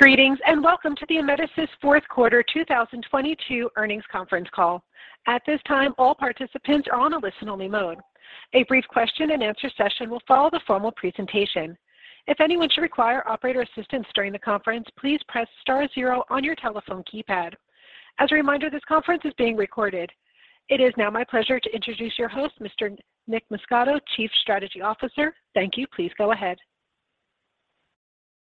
Greetings, and welcome to the Amedisys fourth quarter 2022 earnings conference call. At this time, all participants are on a listen only mode. A brief question and answer session will follow the formal presentation. If anyone should require operator assistance during the conference, please press star zero on your telephone keypad. As a reminder, this conference is being recorded. It is now my pleasure to introduce your host, Mr. Nick Muscato, Chief Strategy Officer. Thank you. Please go ahead.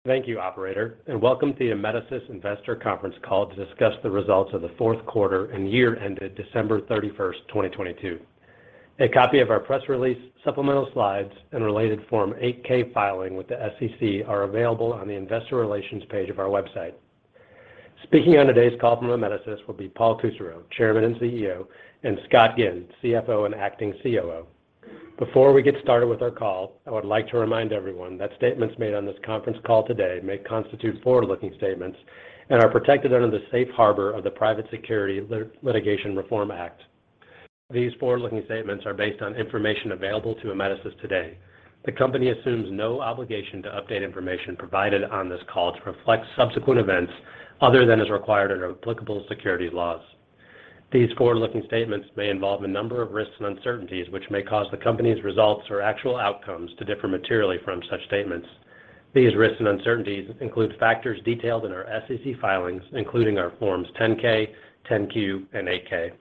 Thank you, operator, and welcome to the Amedisys Investor Conference Call to discuss the results of the fourth quarter and year ended December 31, 2022. A copy of our press release, supplemental slides, and related Form 8-K filing with the SEC are available on the investor relations page of our website. Speaking on today's call from Amedisys will be Paul Kusserow, Chairman and CEO, and Scott Ginn, CFO and Acting COO. Before we get started with our call, I would like to remind everyone that statements made on this conference call today may constitute forward-looking statements and are protected under the safe harbor of the Private Securities Litigation Reform Act. These forward-looking statements are based on information available to Amedisys today. The company assumes no obligation to update information provided on this call to reflect subsequent events other than as required under applicable securities laws. These forward-looking statements may involve a number of risks and uncertainties which may cause the company's results or actual outcomes to differ materially from such statements. These risks and uncertainties include factors detailed in our SEC filings, including our forms 10-K, 10-Q, and 8-K.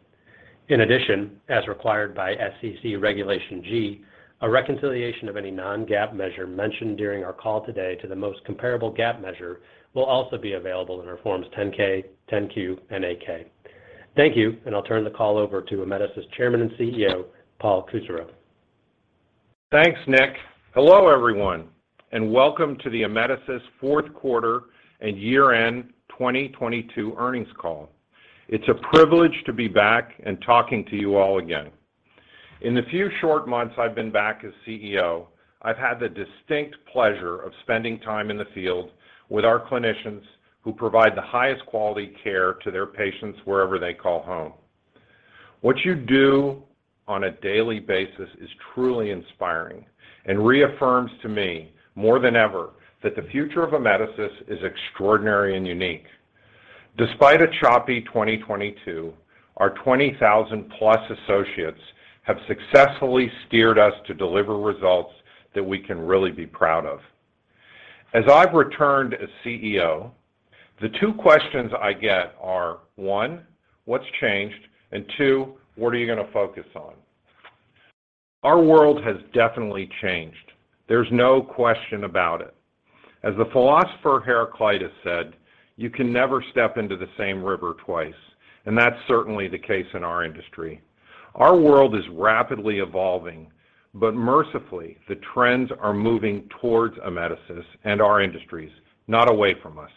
In addition, as required by SEC Regulation G, a reconciliation of any non-GAAP measure mentioned during our call today to the most comparable GAAP measure will also be available in our forms 10-K, 10-Q, and 8-K. Thank you, and I'll turn the call over to Amedisys Chairman and CEO, Paul Kusserow. Thanks, Nick. Hello, everyone, welcome to the Amedisys fourth quarter and year-end 2022 earnings call. It's a privilege to be back and talking to you all again. In the few short months I've been back as CEO, I've had the distinct pleasure of spending time in the field with our clinicians who provide the highest quality care to their patients wherever they call home. What you do on a daily basis is truly inspiring and reaffirms to me more than ever that the future of Amedisys is extraordinary and unique. Despite a choppy 2022, our +20,000 associates have successfully steered us to deliver results that we can really be proud of. As I've returned as CEO, the two questions I get are, one, what's changed? two, what are you going toa focus on? Our world has definitely changed. There's no question about it. As the philosopher Heraclitus said, "You can never step into the same river twice," that's certainly the case in our industry. Our world is rapidly evolving, mercifully, the trends are moving towards Amedisys and our industries, not away from us.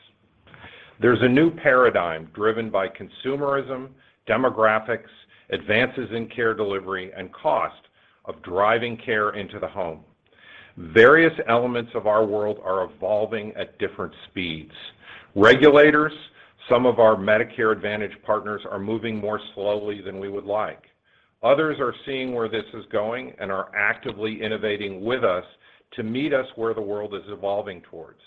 There's a new paradigm driven by consumerism, demographics, advances in care delivery, and cost of driving care into the home. Various elements of our world are evolving at different speeds. Regulators, some of our Medicare Advantage partners are moving more slowly than we would like. Others are seeing where this is going and are actively innovating with us to meet us where the world is evolving towards.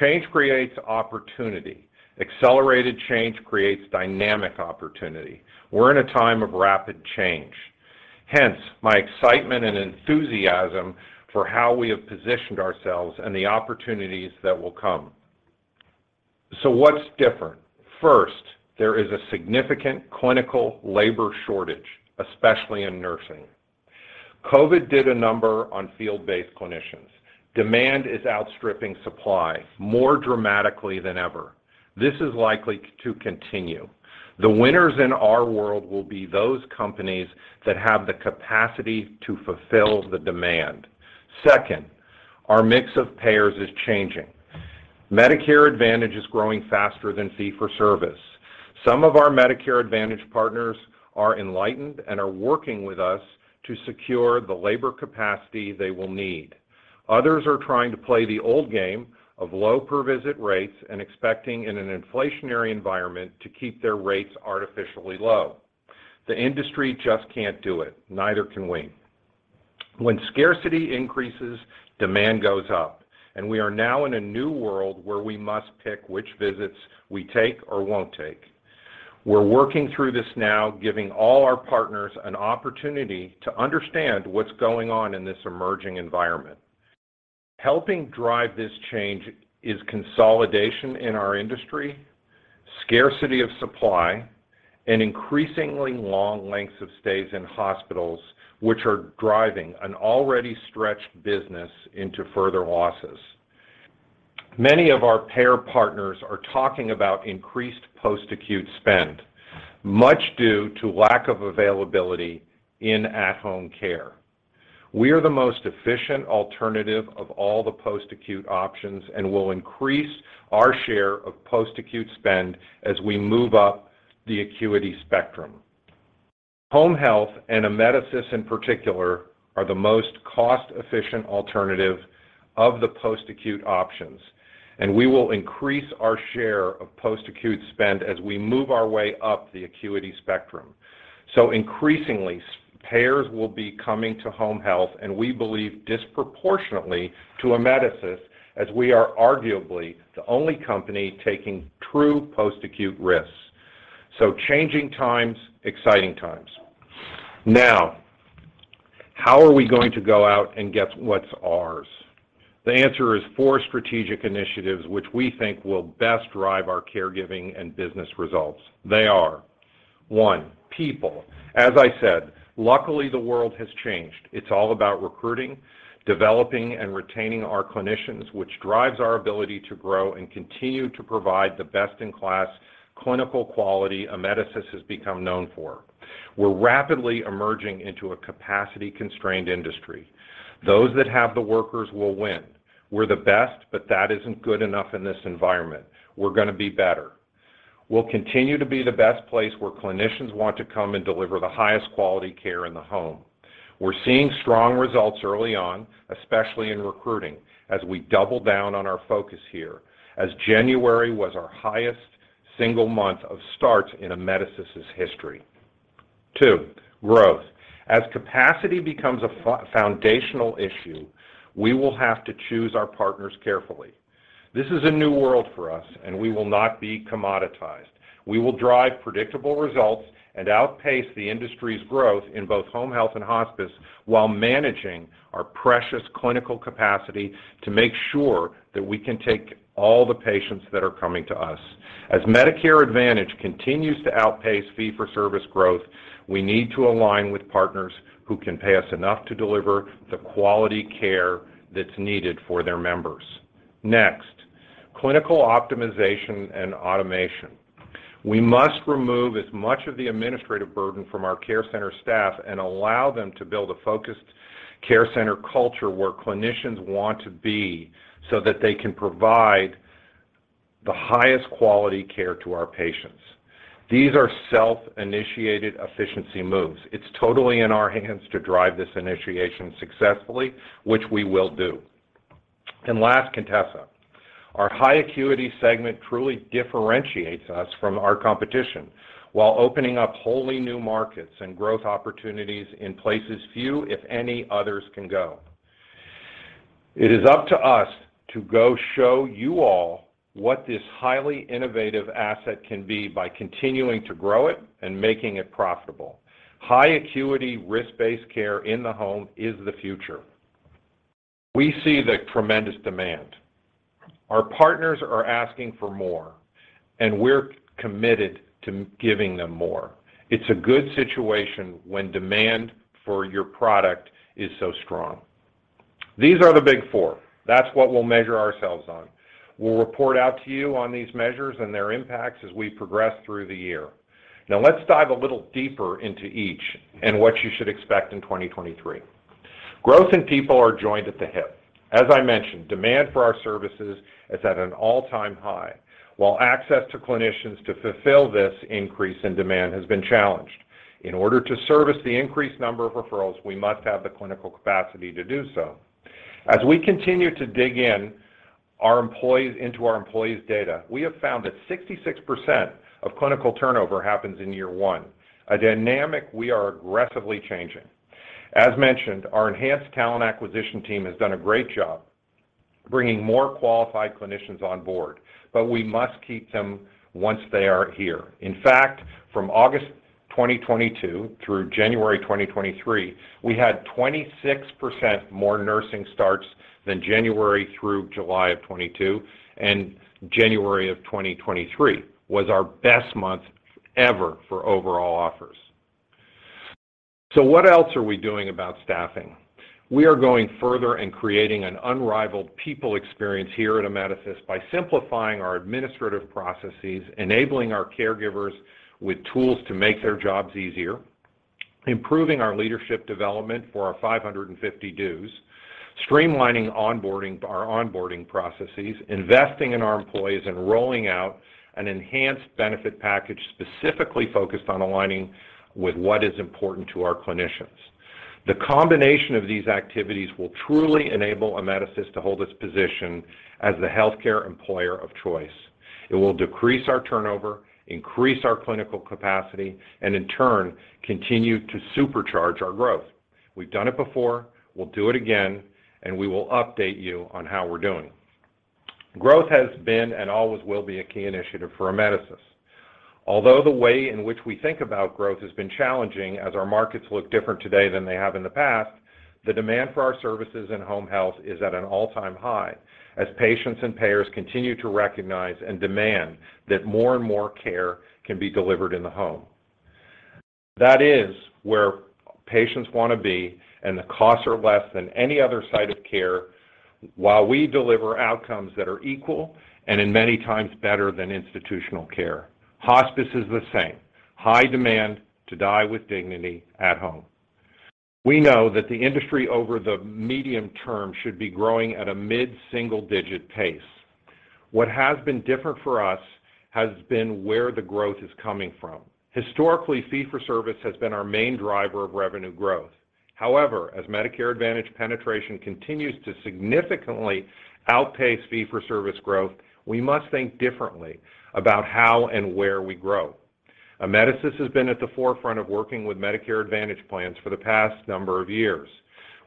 Change creates opportunity. Accelerated change creates dynamic opportunity. We're in a time of rapid change, hence my excitement and enthusiasm for how we have positioned ourselves and the opportunities that will come. What's different? First, there is a significant clinical labor shortage, especially in nursing. COVID did a number on field-based clinicians. Demand is outstripping supply more dramatically than ever. This is likely to continue. The winners in our world will be those companies that have the capacity to fulfill the demand. Second, our mix of payers is changing. Medicare Advantage is growing faster than fee for service. Some of our Medicare Advantage partners are enlightened and are working with us to secure the labor capacity they will need. Others are trying to play the old game of low per visit rates and expecting in an inflationary environment to keep their rates artificially low. The industry just can't do it. Neither can we. When scarcity increases, demand goes up, and we are now in a new world where we must pick which visits we take or won't take. We're working through this now, giving all our partners an opportunity to understand what's going on in this emerging environment. Helping drive this change is consolidation in our industry, scarcity of supply, and increasingly long lengths of stays in hospitals, which are driving an already stretched business into further losses. Many of our payer partners are talking about increased post-acute spend, much due to lack of availability in at-home care. We are the most efficient alternative of all the post-acute options, and we'll increase our share of post-acute spend as we move up the acuity spectrum. Home health and Amedisys in particular are the most cost-efficient alternative of the post-acute options, and we will increase our share of post-acute spend as we move our way up the acuity spectrum. Increasingly, payers will be coming to home health, and we believe disproportionately to Amedisys, as we are arguably the only company taking true post-acute risks. Changing times, exciting times. How are we going to go out and get what's ours? The answer is four strategic initiatives which we think will best drive our caregiving and business results. They are: One, people. As I said, luckily the world has changed. It's all about recruiting, developing, and retaining our clinicians, which drives our ability to grow and continue to provide the best-in-class clinical quality Amedisys has become known for. We're rapidly emerging into a capacity-constrained industry. Those that have the workers will win. We're the best, that isn't good enough in this environment. We're going to be better. We'll continue to be the best place where clinicians want to come and deliver the highest quality care in the home. We're seeing strong results early on, especially in recruiting, as we double down on our focus here, as January was our highest single month of starts in Amedisys' history. Two, growth. Capacity becomes a foundational issue, we will have to choose our partners carefully. This is a new world for us, and we will not be commoditized. We will drive predictable results and outpace the industry's growth in both home health and hospice while managing our precious clinical capacity to make sure that we can take all the patients that are coming to us. Medicare Advantage continues to outpace fee-for-service growth, we need to align with partners who can pay us enough to deliver the quality care that's needed for their members. Next, clinical optimization and automation. We must remove as much of the administrative burden from our care center staff and allow them to build a focused care center culture where clinicians want to be so that they can provide the highest quality care to our patients. These are self-initiated efficiency moves. It's totally in our hands to drive this initiation successfully, which we will do. Last, Contessa. Our high acuity segment truly differentiates us from our competition while opening up wholly new markets and growth opportunities in places few, if any, others can go. It is up to us to go show you all what this highly innovative asset can be by continuing to grow it and making it profitable. High acuity, risk-based care in the home is the future. We see the tremendous demand. Our partners are asking for more, and we're committed to giving them more. It's a good situation when demand for your product is so strong. These are the big four. That's what we'll measure ourselves on. We'll report out to you on these measures and their impacts as we progress through the year. Let's dive a little deeper into each and what you should expect in 2023. Growth and people are joined at the hip. As I mentioned, demand for our services is at an all-time high, while access to clinicians to fulfill this increase in demand has been challenged. In order to service the increased number of referrals, we must have the clinical capacity to do so. As we continue to dig into our employees' data, we have found that 66% of clinical turnover happens in year one, a dynamic we are aggressively changing. As mentioned, our enhanced talent acquisition team has done a great job bringing more qualified clinicians on board, but we must keep them once they are here. In fact, from August 2022 through January 2023, we had 26% more nursing starts than January through July of 2022, and January of 2023 was our best month ever for overall offers. What else are we doing about staffing? We are going further and creating an unrivaled people experience here at Amedisys by simplifying our administrative processes, enabling our caregivers with tools to make their jobs easier, improving our leadership development for our 550 DOs, streamlining our onboarding processes, investing in our employees, and rolling out an enhanced benefit package specifically focused on aligning with what is important to our clinicians. The combination of these activities will truly enable Amedisys to hold its position as the healthcare employer of choice. It will decrease our turnover, increase our clinical capacity, and in turn, continue to supercharge our growth. We've done it before, we'll do it again, and we will update you on how we're doing. Growth has been and always will be a key initiative for Amedisys. Although the way in which we think about growth has been challenging as our markets look different today than they have in the past, the demand for our services in home health is at an all-time high as patients and payers continue to recognize and demand that more and more care can be delivered in the home. That is where patients want to be, and the costs are less than any other site of care, while we deliver outcomes that are equal and in many times better than institutional care. Hospice is the same, high demand to die with dignity at home. We know that the industry over the medium term should be growing at a mid-single digit pace. What has been different for us has been where the growth is coming from. Historically, fee for service has been our main driver of revenue growth. However, as Medicare Advantage penetration continues to significantly outpace fee for service growth, we must think differently about how and where we grow. Amedisys has been at the forefront of working with Medicare Advantage plans for the past number of years.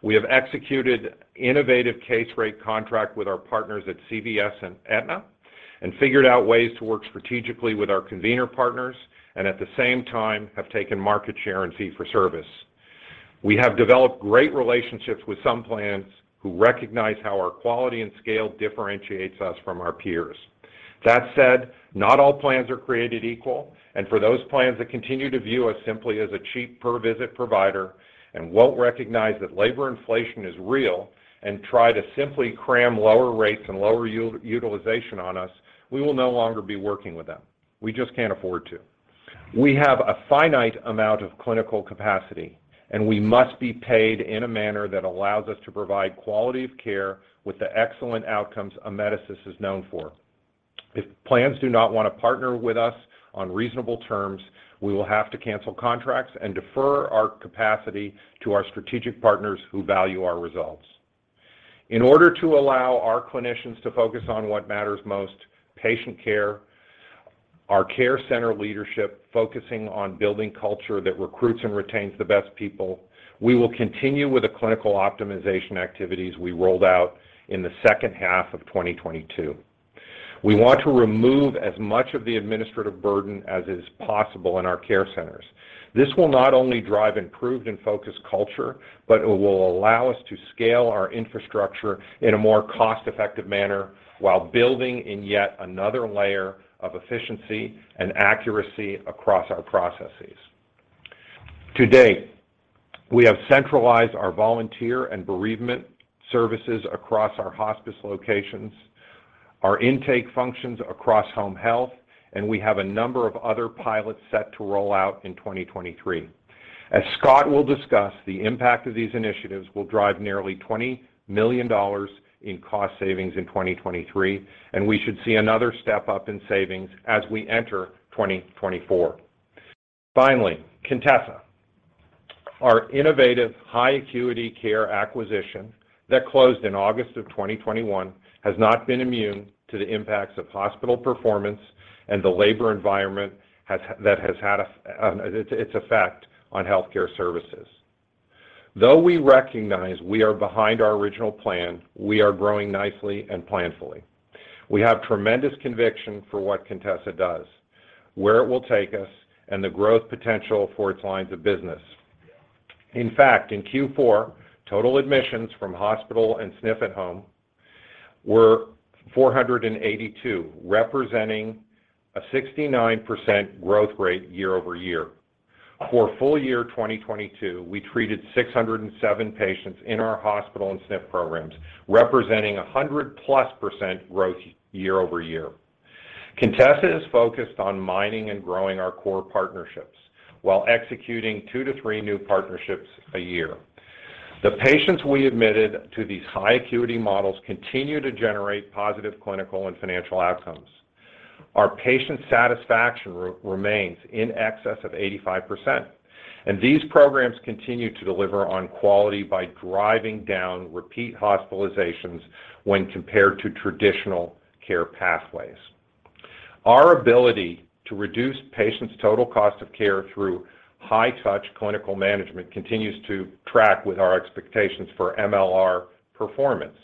We have executed innovative case rate contract with our partners at CVS and Aetna and figured out ways to work strategically with our convener partners and at the same time have taken market share and fee for service. We have developed great relationships with some plans who recognize how our quality and scale differentiates us from our peers. That said, not all plans are created equal, and for those plans that continue to view us simply as a cheap per visit provider and won't recognize that labor inflation is real and try to simply cram lower rates and lower utilization on us, we will no longer be working with them. We just can't afford to. We have a finite amount of clinical capacity, and we must be paid in a manner that allows us to provide quality of care with the excellent outcomes Amedisys is known for. If plans do not want to partner with us on reasonable terms, we will have to cancel contracts and defer our capacity to our strategic partners who value our results. In order to allow our clinicians to focus on what matters most, patient care, our care center leadership focusing on building culture that recruits and retains the best people, we will continue with the clinical optimization activities we rolled out in the second half of 2022. We want to remove as much of the administrative burden as is possible in our care centers. This will not only drive improved and focused culture, but it will allow us to scale our infrastructure in a more cost-effective manner while building in yet another layer of efficiency and accuracy across our processes. To date, we have centralized our volunteer and bereavement services across our hospice locations, our intake functions across home health, we have a number of other pilots set to roll out in 2023. As Scott will discuss, the impact of these initiatives will drive nearly $20 million in cost savings in 2023, we should see another step-up in savings as we enter 2024. Finally, Contessa, our innovative high acuity care acquisition that closed in August of 2021 has not been immune to the impacts of hospital performance and the labor environment has had its effect on health care services. Though we recognize we are behind our original plan, we are growing nicely and planfully. We have tremendous conviction for what Contessa does, where it will take us, and the growth potential for its lines of business. In fact, in Q4, total admissions from hospital and SNF at Home were 482, representing a 69% growth rate year-over-year. For full year 2022, we treated 607 patients in our hospital and SNF programs, representing a +100% growth year-over-year. Contessa is focused on mining and growing our core partnerships while executing two to three new partnerships a year. The patients we admitted to these high acuity models continue to generate positive clinical and financial outcomes. Our patient satisfaction remains in excess of 85%. These programs continue to deliver on quality by driving down repeat hospitalizations when compared to traditional care pathways. Our ability to reduce patients' total cost of care through high touch clinical management continues to track with our expectations for MLR performance.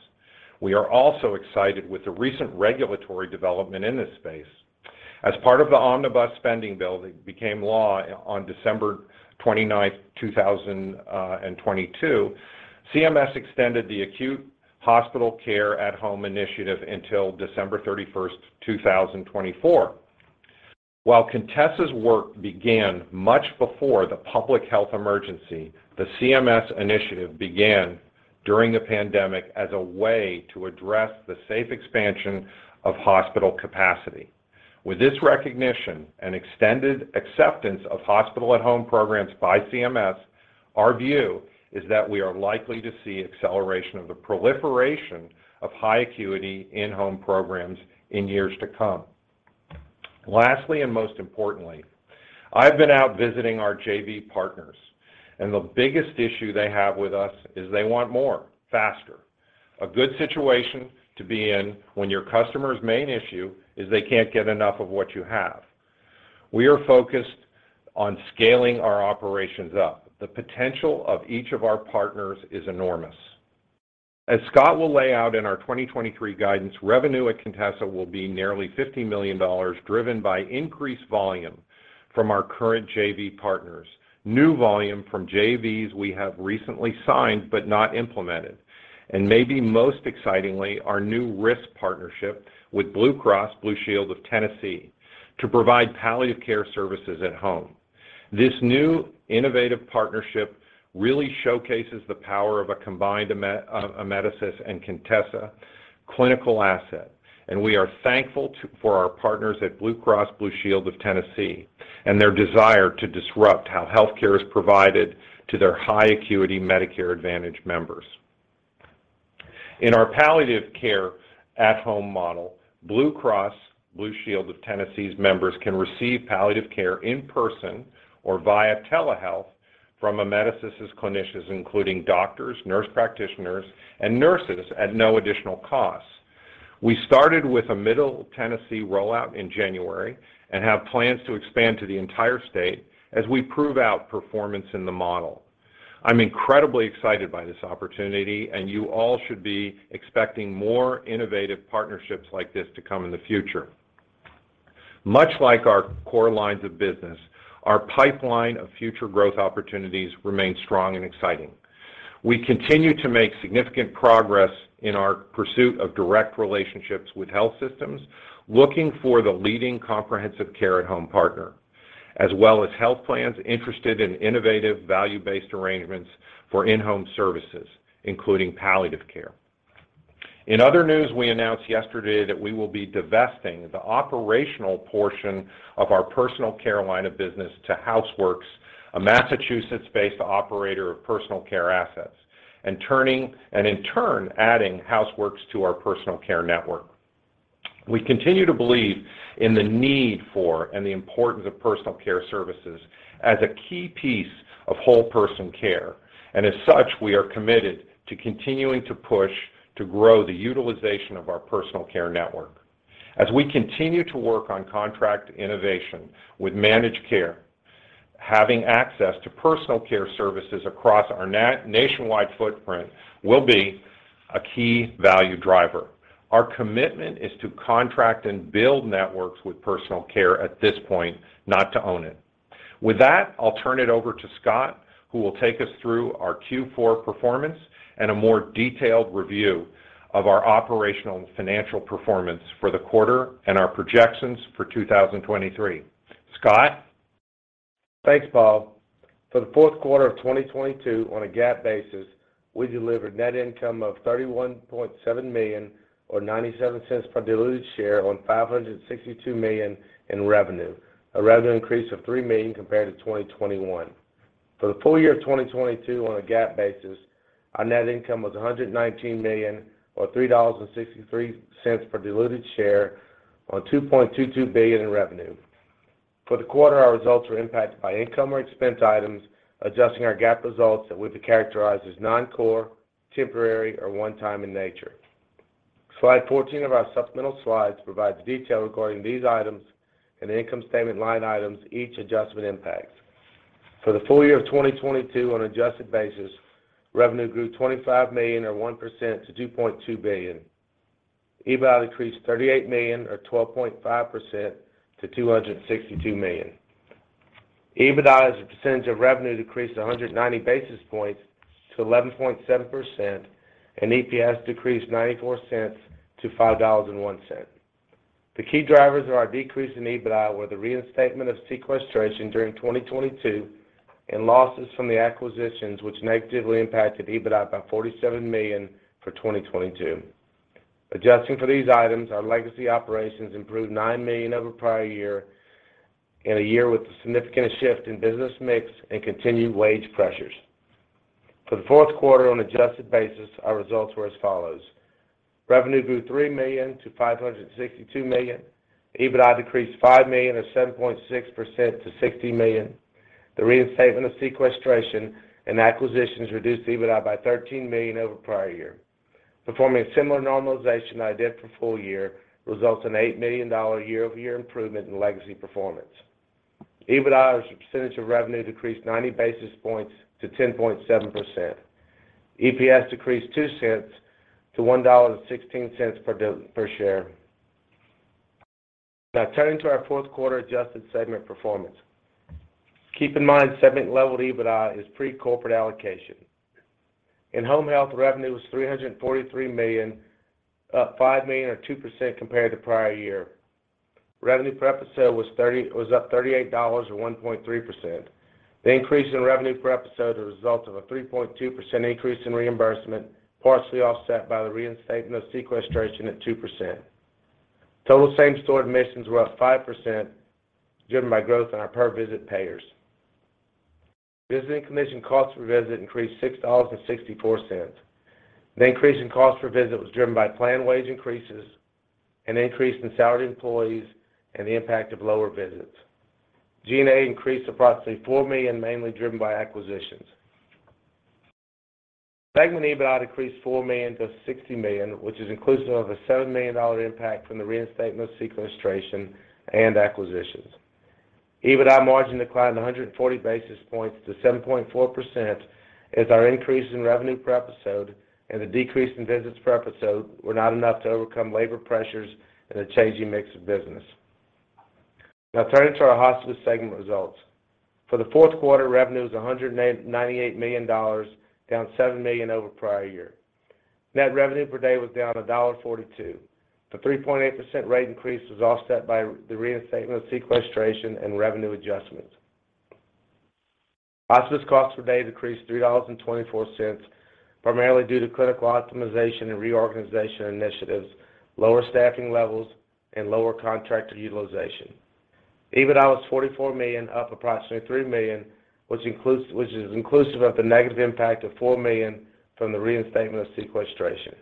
We are also excited with the recent regulatory development in this space. As part of the Omnibus Spending Bill that became law on December 29, 2022, CMS extended the Acute Hospital Care at Home initiative until December 31, 2024. While Contessa's work began much before the public health emergency, the CMS initiative began during the pandemic as a way to address the safe expansion of hospital capacity. With this recognition and extended acceptance of Hospital at Home programs by CMS, our view is that we are likely to see acceleration of the proliferation of high acuity in-home programs in years to come. Lastly, and most importantly, I've been out visiting our JV partners, and the biggest issue they have with us is they want more faster. A good situation to be in when your customer's main issue is they can't get enough of what you have. We are focused on scaling our operations up. The potential of each of our partners is enormous. As Scott will lay out in our 2023 guidance, revenue at Contessa will be nearly $50 million, driven by increased volume from our current JV partners, new volume from JVs we have recently signed but not implemented, and maybe most excitingly, our new risk partnership with BlueCross BlueShield of Tennessee to provide palliative care services at home. This new innovative partnership really showcases the power of a combined Amedisys and Contessa clinical asset, and we are thankful for our partners at BlueCross BlueShield of Tennessee and their desire to disrupt how health care is provided to their high acuity Medicare Advantage members. In our palliative care at home model, Blue Cross Blue Shield of Tennessee's members can receive palliative care in person or via telehealth from Amedisys' clinicians, including doctors, nurse practitioners, and nurses at no additional cost. We started with a Middle Tennessee rollout in January and have plans to expand to the entire state as we prove out performance in the model. I'm incredibly excited by this opportunity. You all should be expecting more innovative partnerships like this to come in the future. Much like our core lines of business, our pipeline of future growth opportunities remains strong and exciting. We continue to make significant progress in our pursuit of direct relationships with health systems, looking for the leading comprehensive care at home partner, as well as health plans interested in innovative value-based arrangements for in-home services, including palliative care. In other news, we announced yesterday that we will be divesting the operational portion of our personal care line of business to HouseWorks, a Massachusetts-based operator of personal care assets, and in turn, adding HouseWorks to our personal care network. We continue to believe in the need for and the importance of personal care services as a key piece of whole person care. As such, we are committed to continuing to push to grow the utilization of our personal care network. As we continue to work on contract innovation with managed care, having access to personal care services across our nationwide footprint will be a key value driver. Our commitment is to contract and build networks with personal care at this point, not to own it. With that, I'll turn it over to Scott, who will take us through our Q4 performance and a more detailed review of our operational and financial performance for the quarter and our projections for 2023. Scott? Thanks, Paul. For the fourth quarter of 2022, on a GAAP basis, we delivered net income of $31.7 million or $0.97 per diluted share on $562 million in revenue, a revenue increase of $3 million compared to 2021. For the full year of 2022, on a GAAP basis, our net income was $119 million or $3.63 per diluted share on $2.22 billion in revenue. For the quarter, our results were impacted by income or expense items, adjusting our GAAP results that we've characterized as non-core, temporary, or one-time in nature. Slide 14 of our supplemental slides provides detail regarding these items and the income statement line items each adjustment impacts. For the full year of 2022, on adjusted basis, revenue grew $25 million or 1% to $2.2 billion. EBITDA decreased $38 million or 12.5% to $262 million. EBITDA as a percentage of revenue decreased 190 basis points to 11.7%, and EPS decreased $0.94 to $5.01. The key drivers of our decrease in EBITDA were the reinstatement of sequestration during 2022 and losses from the acquisitions which negatively impacted EBITDA by $47 million for 2022. Adjusting for these items, our legacy operations improved $9 million over prior year in a year with a significant shift in business mix and continued wage pressures. For the fourth quarter on adjusted basis, our results were as follows: Revenue grew $3 million to $562 million. EBITDA decreased $5 million or 7.6% to $60 million. The reinstatement of sequestration and acquisitions reduced EBITDA by $13 million over prior year. Performing a similar normalization I did for full year results in $8 million year-over-year improvement in legacy performance. EBITDA as a percentage of revenue decreased 90 basis points to 10.7%. EPS decreased $0.02 to $1.16 per share. Turning to our fourth quarter adjusted segment performance. Keep in mind, segment level EBITDA is pre-corporate allocation. In Home Health, revenue was $343 million, up $5 million or 2% compared to prior year. Revenue per episode was up $38, or 1.3%. The increase in revenue per episode was a result of a 3.2% increase in reimbursement, partially offset by the reinstatement of sequestration at 2%. Total same-store admissions were up 5%, driven by growth in our per-visit payers. Visiting commission cost per visit increased $6.64. The increase in cost per visit was driven by planned wage increases, an increase in salaried employees, and the impact of lower visits. G&A increased approximately $4 million, mainly driven by acquisitions. Segment EBITDA decreased $4 million to $60 million, which is inclusive of a $7 million impact from the reinstatement of sequestration and acquisitions. EBITDA margin declined 140 basis points to 7.4% as our increase in revenue per episode and the decrease in visits per episode were not enough to overcome labor pressures and a changing mix of business. Now turning to our hospice segment results. For the fourth quarter, revenue was $198 million, down $7 million over prior-year. Net revenue per day was down $1.42. The 3.8% rate increase was offset by the reinstatement of sequestration and revenue adjustments. Hospice costs per day decreased $3.24, primarily due to clinical optimization and reorganization initiatives, lower staffing levels, and lower contractor utilization. EBITDA was $44 million, up approximately $3 million, which is inclusive of the negative impact of $4 million from the reinstatement of sequestration.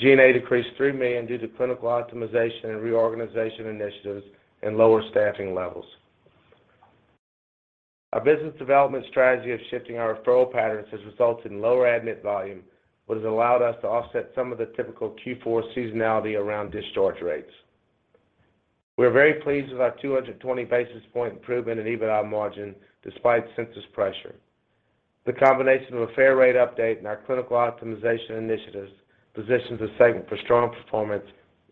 G&A decreased $3 million due to clinical optimization and reorganization initiatives and lower staffing levels. Our business development strategy of shifting our referral patterns has resulted in lower admit volume, which has allowed us to offset some of the typical Q4 seasonality around discharge rates. We are very pleased with our 220 basis point improvement in EBITDA margin despite census pressure. The combination of a fair rate update and our clinical optimization initiatives positions the segment for strong performance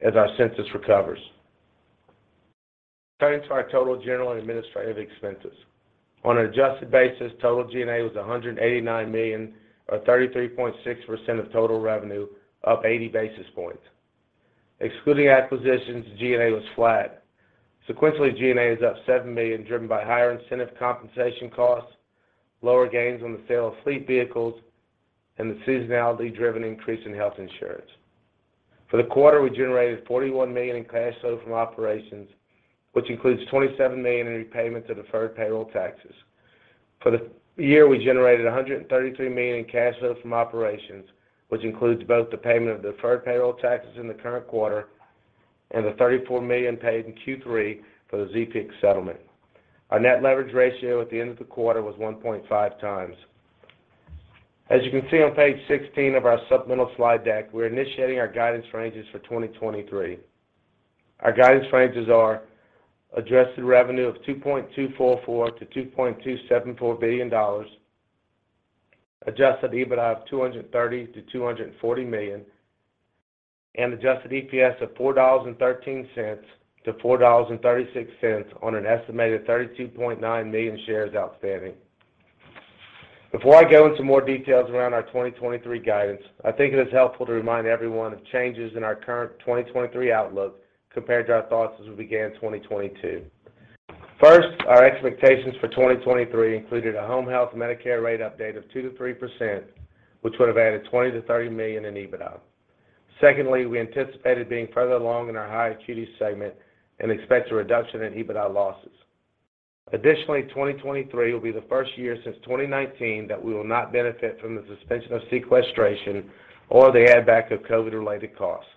as our census recovers. Turning to our total general and administrative expenses. On an adjusted basis, total G&A was $189 million, or 33.6% of total revenue, up 80 basis points. Excluding acquisitions, G&A was flat. Sequentially, G&A is up $7 million, driven by higher incentive compensation costs, lower gains on the sale of fleet vehicles, and the seasonality-driven increase in health insurance. For the quarter, we generated $41 million in cash flow from operations, which includes $27 million in repayment to deferred payroll taxes. For the year, we generated $133 million in cash flow from operations, which includes both the payment of deferred payroll taxes in the current quarter and the $34 million paid in Q3 for the Empeek settlement. Our net leverage ratio at the end of the quarter was 1.5x. As you can see on page 16 of our supplemental slide deck, we're initiating our guidance ranges for 2023. Our guidance ranges are adjusted revenue of $2.244 billion-$2.274 billion, adjusted EBITDA of $230 million-$240 million, and adjusted EPS of $4.13-$4.36 on an estimated 32.9 million shares outstanding. Before I go into more details around our 2023 guidance, I think it is helpful to remind everyone of changes in our current 2023 outlook compared to our thoughts as we began 2022. First, our expectations for 2023 included a home health Medicare rate update of 2%-3%, which would have added $20 million-$30 million in EBITDA. Secondly, I anticipated being further along in our high acuity segment and expect a reduction in EBITDA losses. Additionally, 2023 will be the first year since 2019 that we will not benefit from the suspension of Sequestration or the add back of COVID-related costs.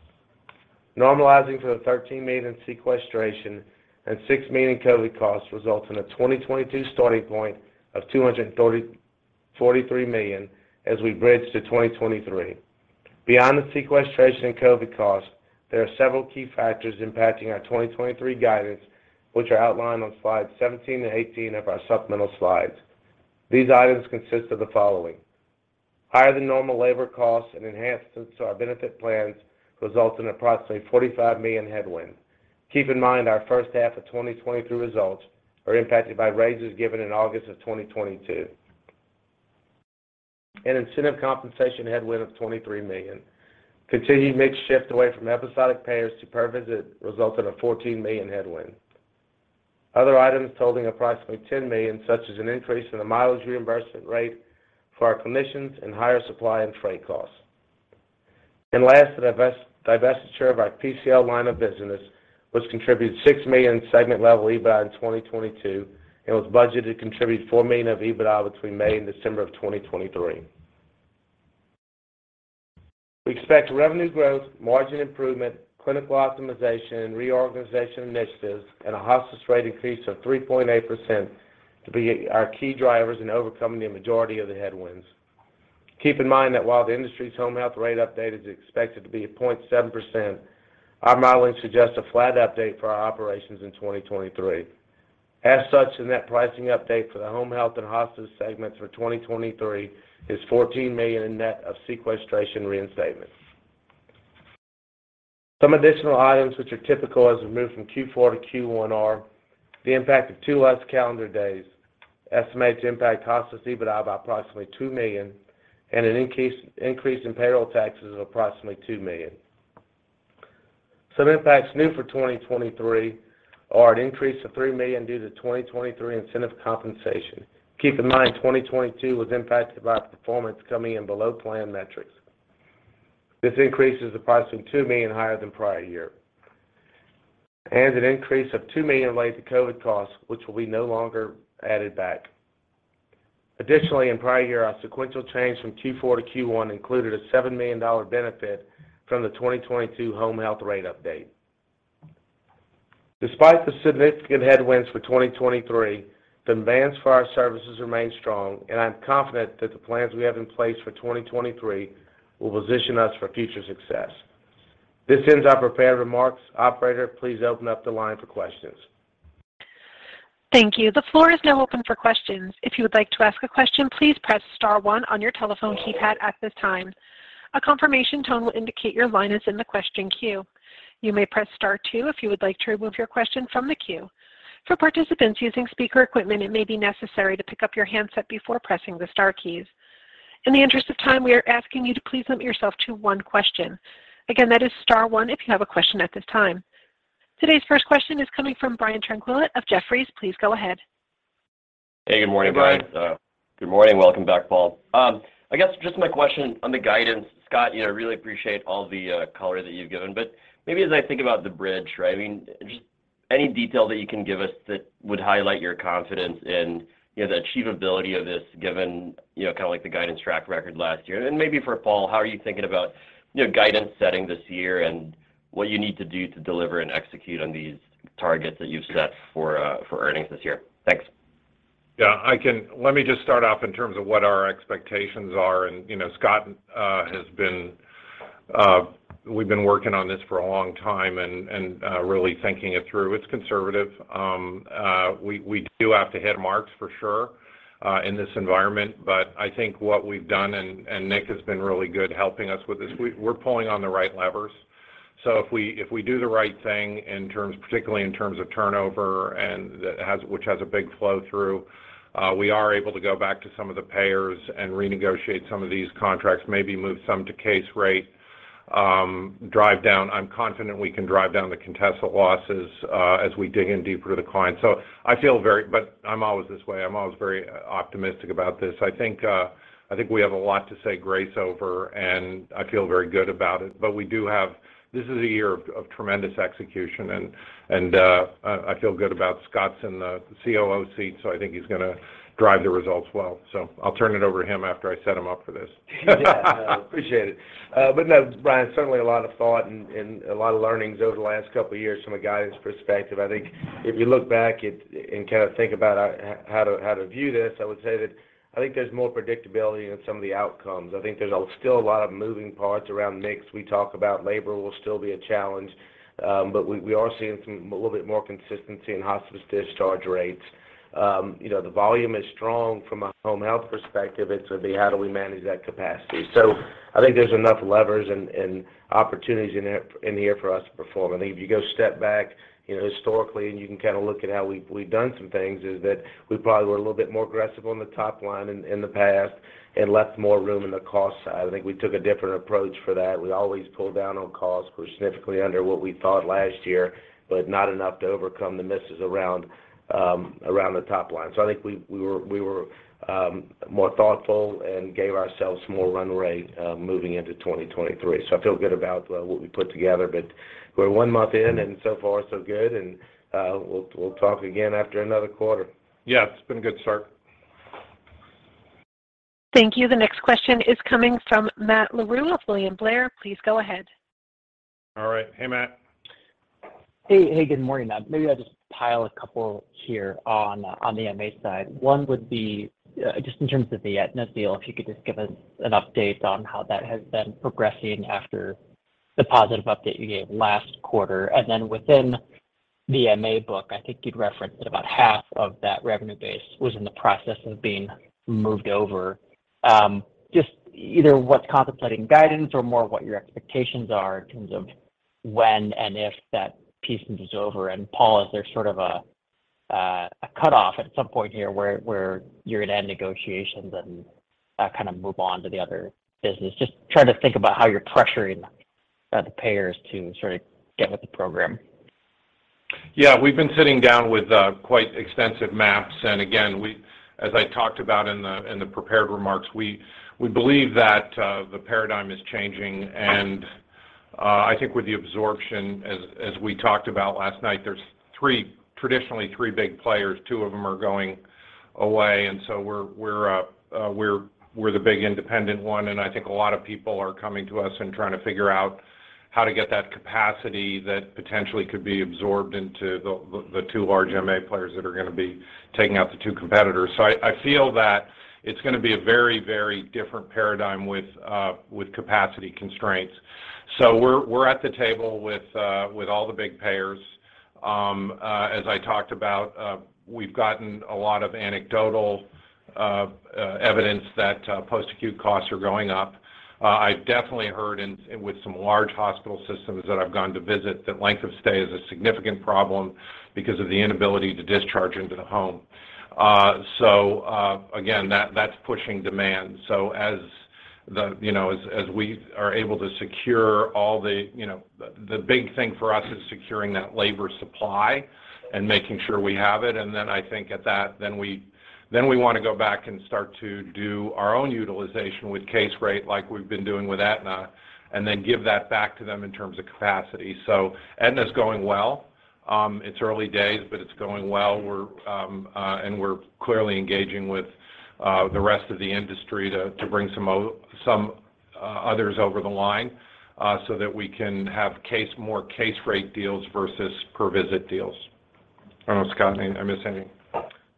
Normalizing for the $13 million in Sequestration and $6 million in COVID costs results in a 2022 starting point of $243 million as we bridge to 2023. Beyond the sequestration and COVID costs, there are several key factors impacting our 2023 guidance, which are outlined on slide 17-18 of our supplemental slides. These items consist of the following: higher than normal labor costs and enhancements to our benefit plans result in approximately $45 million headwind. Keep in mind our first half of 2023 results are impacted by raises given in August of 2022. An incentive compensation headwind of $23 million. Continued mix shift away from episodic payers to per visit resulted in a $14 million headwind. Other items totaling approximately $10 million, such as an increase in the mileage reimbursement rate for our clinicians and higher supply and freight costs. Last, the divestiture of our PCL line of business, which contributed $6 million in segment-level EBITDA in 2022 and was budgeted to contribute $4 million of EBITDA between May and December of 2023. We expect revenue growth, margin improvement, clinical optimization, and reorganization initiatives, and a hospice rate increase of 3.8% to be our key drivers in overcoming the majority of the headwinds. Keep in mind that while the industry's home health rate update is expected to be at 0.7%, our modeling suggests a flat update for our operations in 2023. As such, the net pricing update for the home health and hospice segments for 2023 is $14 million in net of sequestration reinstatements. Some additional items which are typical as we move from Q4 to Q1 are the impact of two less calendar days, estimated to impact hospice EBITDA by approximately $2 million, and an increase in payroll taxes of approximately $2 million. Some impacts new for 2023 are an increase of $3 million due to 2023 incentive compensation. Keep in mind, 2022 was impacted by performance coming in below plan metrics. This increase is approximately $2 million higher than prior year. An increase of $2 million related to COVID costs which will be no longer added back. Additionally, in prior year, our sequential change from Q4 to Q1 included a $7 million benefit from the 2022 home health rate update. Despite the significant headwinds for 2023, demand for our services remain strong, and I'm confident that the plans we have in place for 2023 will position us for future success. This ends our prepared remarks. Operator, please open up the line for questions. Thank you. The floor is now open for questions. If you would like to ask a question, please press star one on your telephone keypad at this time. A confirmation tone will indicate your line is in the question queue. You may press Star two if you would like to remove your question from the queue. For participants using speaker equipment, it may be necessary to pick up your handset before pressing the star keys. In the interest of time, we are asking you to please limit yourself to one question. Again, that is star one if you have a question at this time. Today's first question is coming from Brian Tanquilut of Jefferies. Please go ahead. Hey, good morning, Brian. Hey, guys. good morning. Welcome back, Paul. I guess just my question on the guidance, Scott, you know, really appreciate all the color that you've given, but maybe as I think about the bridge, right, I mean, just any detail that you can give us that would highlight your confidence in, you know, the achievability of this given, you know, kind of like the guidance track record last year. Then maybe for Paul, how are you thinking about, you know, guidance setting this year and what you need to do to deliver and execute on these targets that you've set for earnings this year? Thanks. Yeah. Let me just start off in terms of what our expectations are. You know, Scott, we've been working on this for a long time and really thinking it through. It's conservative. We do have to hit marks for sure in this environment. I think what we've done, and Nick has been really good helping us with this, We're pulling on the right levers. If we do the right thing in terms, particularly in terms of turnover which has a big flow-through, we are able to go back to some of the payers and renegotiate some of these contracts, maybe move some to case rate, drive down. I'm confident we can drive down the contested losses as we dig in deeper to the client. I feel very. I'm always this way. I'm always very optimistic about this. I think, I think we have a lot to say grace over, and I feel very good about it. We do have. This is a year of tremendous execution and, I feel good about Scott's in the COO seat, I think he's going to drive the results well. I'll turn it over to him after I set him up for this. Yeah. No, appreciate it. No, Brian, certainly a lot of thought and a lot of learnings over the last couple of years from a guidance perspective. I think if you look back and kind of think about how to view this, I would say that I think there's a still a lot of moving parts around mix. We talk about labor will still be a challenge, but we are seeing some, a little bit more consistency in hospice discharge rates. You know, the volume is strong from a home health perspective. It's the how do we manage that capacity. I think there's enough levers and opportunities in here for us to perform. I think if you go step back, you know, historically, and you can kind of look at how we've done some things, is that we probably were a little bit more aggressive on the top line in the past and left more room in the cost side. I think we took a different approach for that. We always pull down on costs. We're significantly under what we thought last year, but not enough to overcome the misses around the top line. I think we were more thoughtful and gave ourselves more runway moving into 2023. I feel good about what we put together. But we're 1 month in, and so far, so good. We'll talk again after another quarter. Yeah. It's been a good start. Thank you. The next question is coming from Matt Larew of William Blair. Please go ahead. All right. Hey, Matt. Hey. Hey, good morning. Maybe I'll just pile a couple here on the MA side. One would be, just in terms of the Aetna deal, if you could just give us an update on how that has been progressing after the positive update you gave last quarter. Then within the MA book, I think you'd referenced that about half of that revenue base was in the process of being moved over. Just either what's contemplating guidance or more what your expectations are in terms of when and if that piece moves over. Paul, is there sort of a, a cutoff at some point here where you're going to end negotiations and, kind of move on to the other business? Just trying to think about how you're pressuring the payers to sort of get with the program. Yeah. We've been sitting down with quite extensive maps. Again, as I talked about in the prepared remarks, we believe that the paradigm is changing. I think with the absorption as we talked about last night, there's traditionally three big players. Two of them are going away, and so we're the big independent one. I think a lot of people are coming to us and trying to figure out how to get that capacity that potentially could be absorbed into the two large MA players that are going to be taking out the two competitors. I feel that it's going to be a very, very different paradigm with capacity constraints. We're at the table with all the big payers. As I talked about, we've gotten a lot of anecdotal evidence that post-acute costs are going up. I've definitely heard with some large hospital systems that I've gone to visit that length of stay is a significant problem because of the inability to discharge into the home. Again, that's pushing demand. As we are able to secure all the big thing for us is securing that labor supply and making sure we have it. I think at that, then we want to go back and start to do our own utilization with case rate like we've been doing with Aetna, and then give that back to them in terms of capacity. Aetna's going well. It's early days, but it's going well. We're clearly engaging with the rest of the industry to bring some others over the line, so that we can have more case rate deals versus per visit deals. I don't know, Scott, am I missing anything?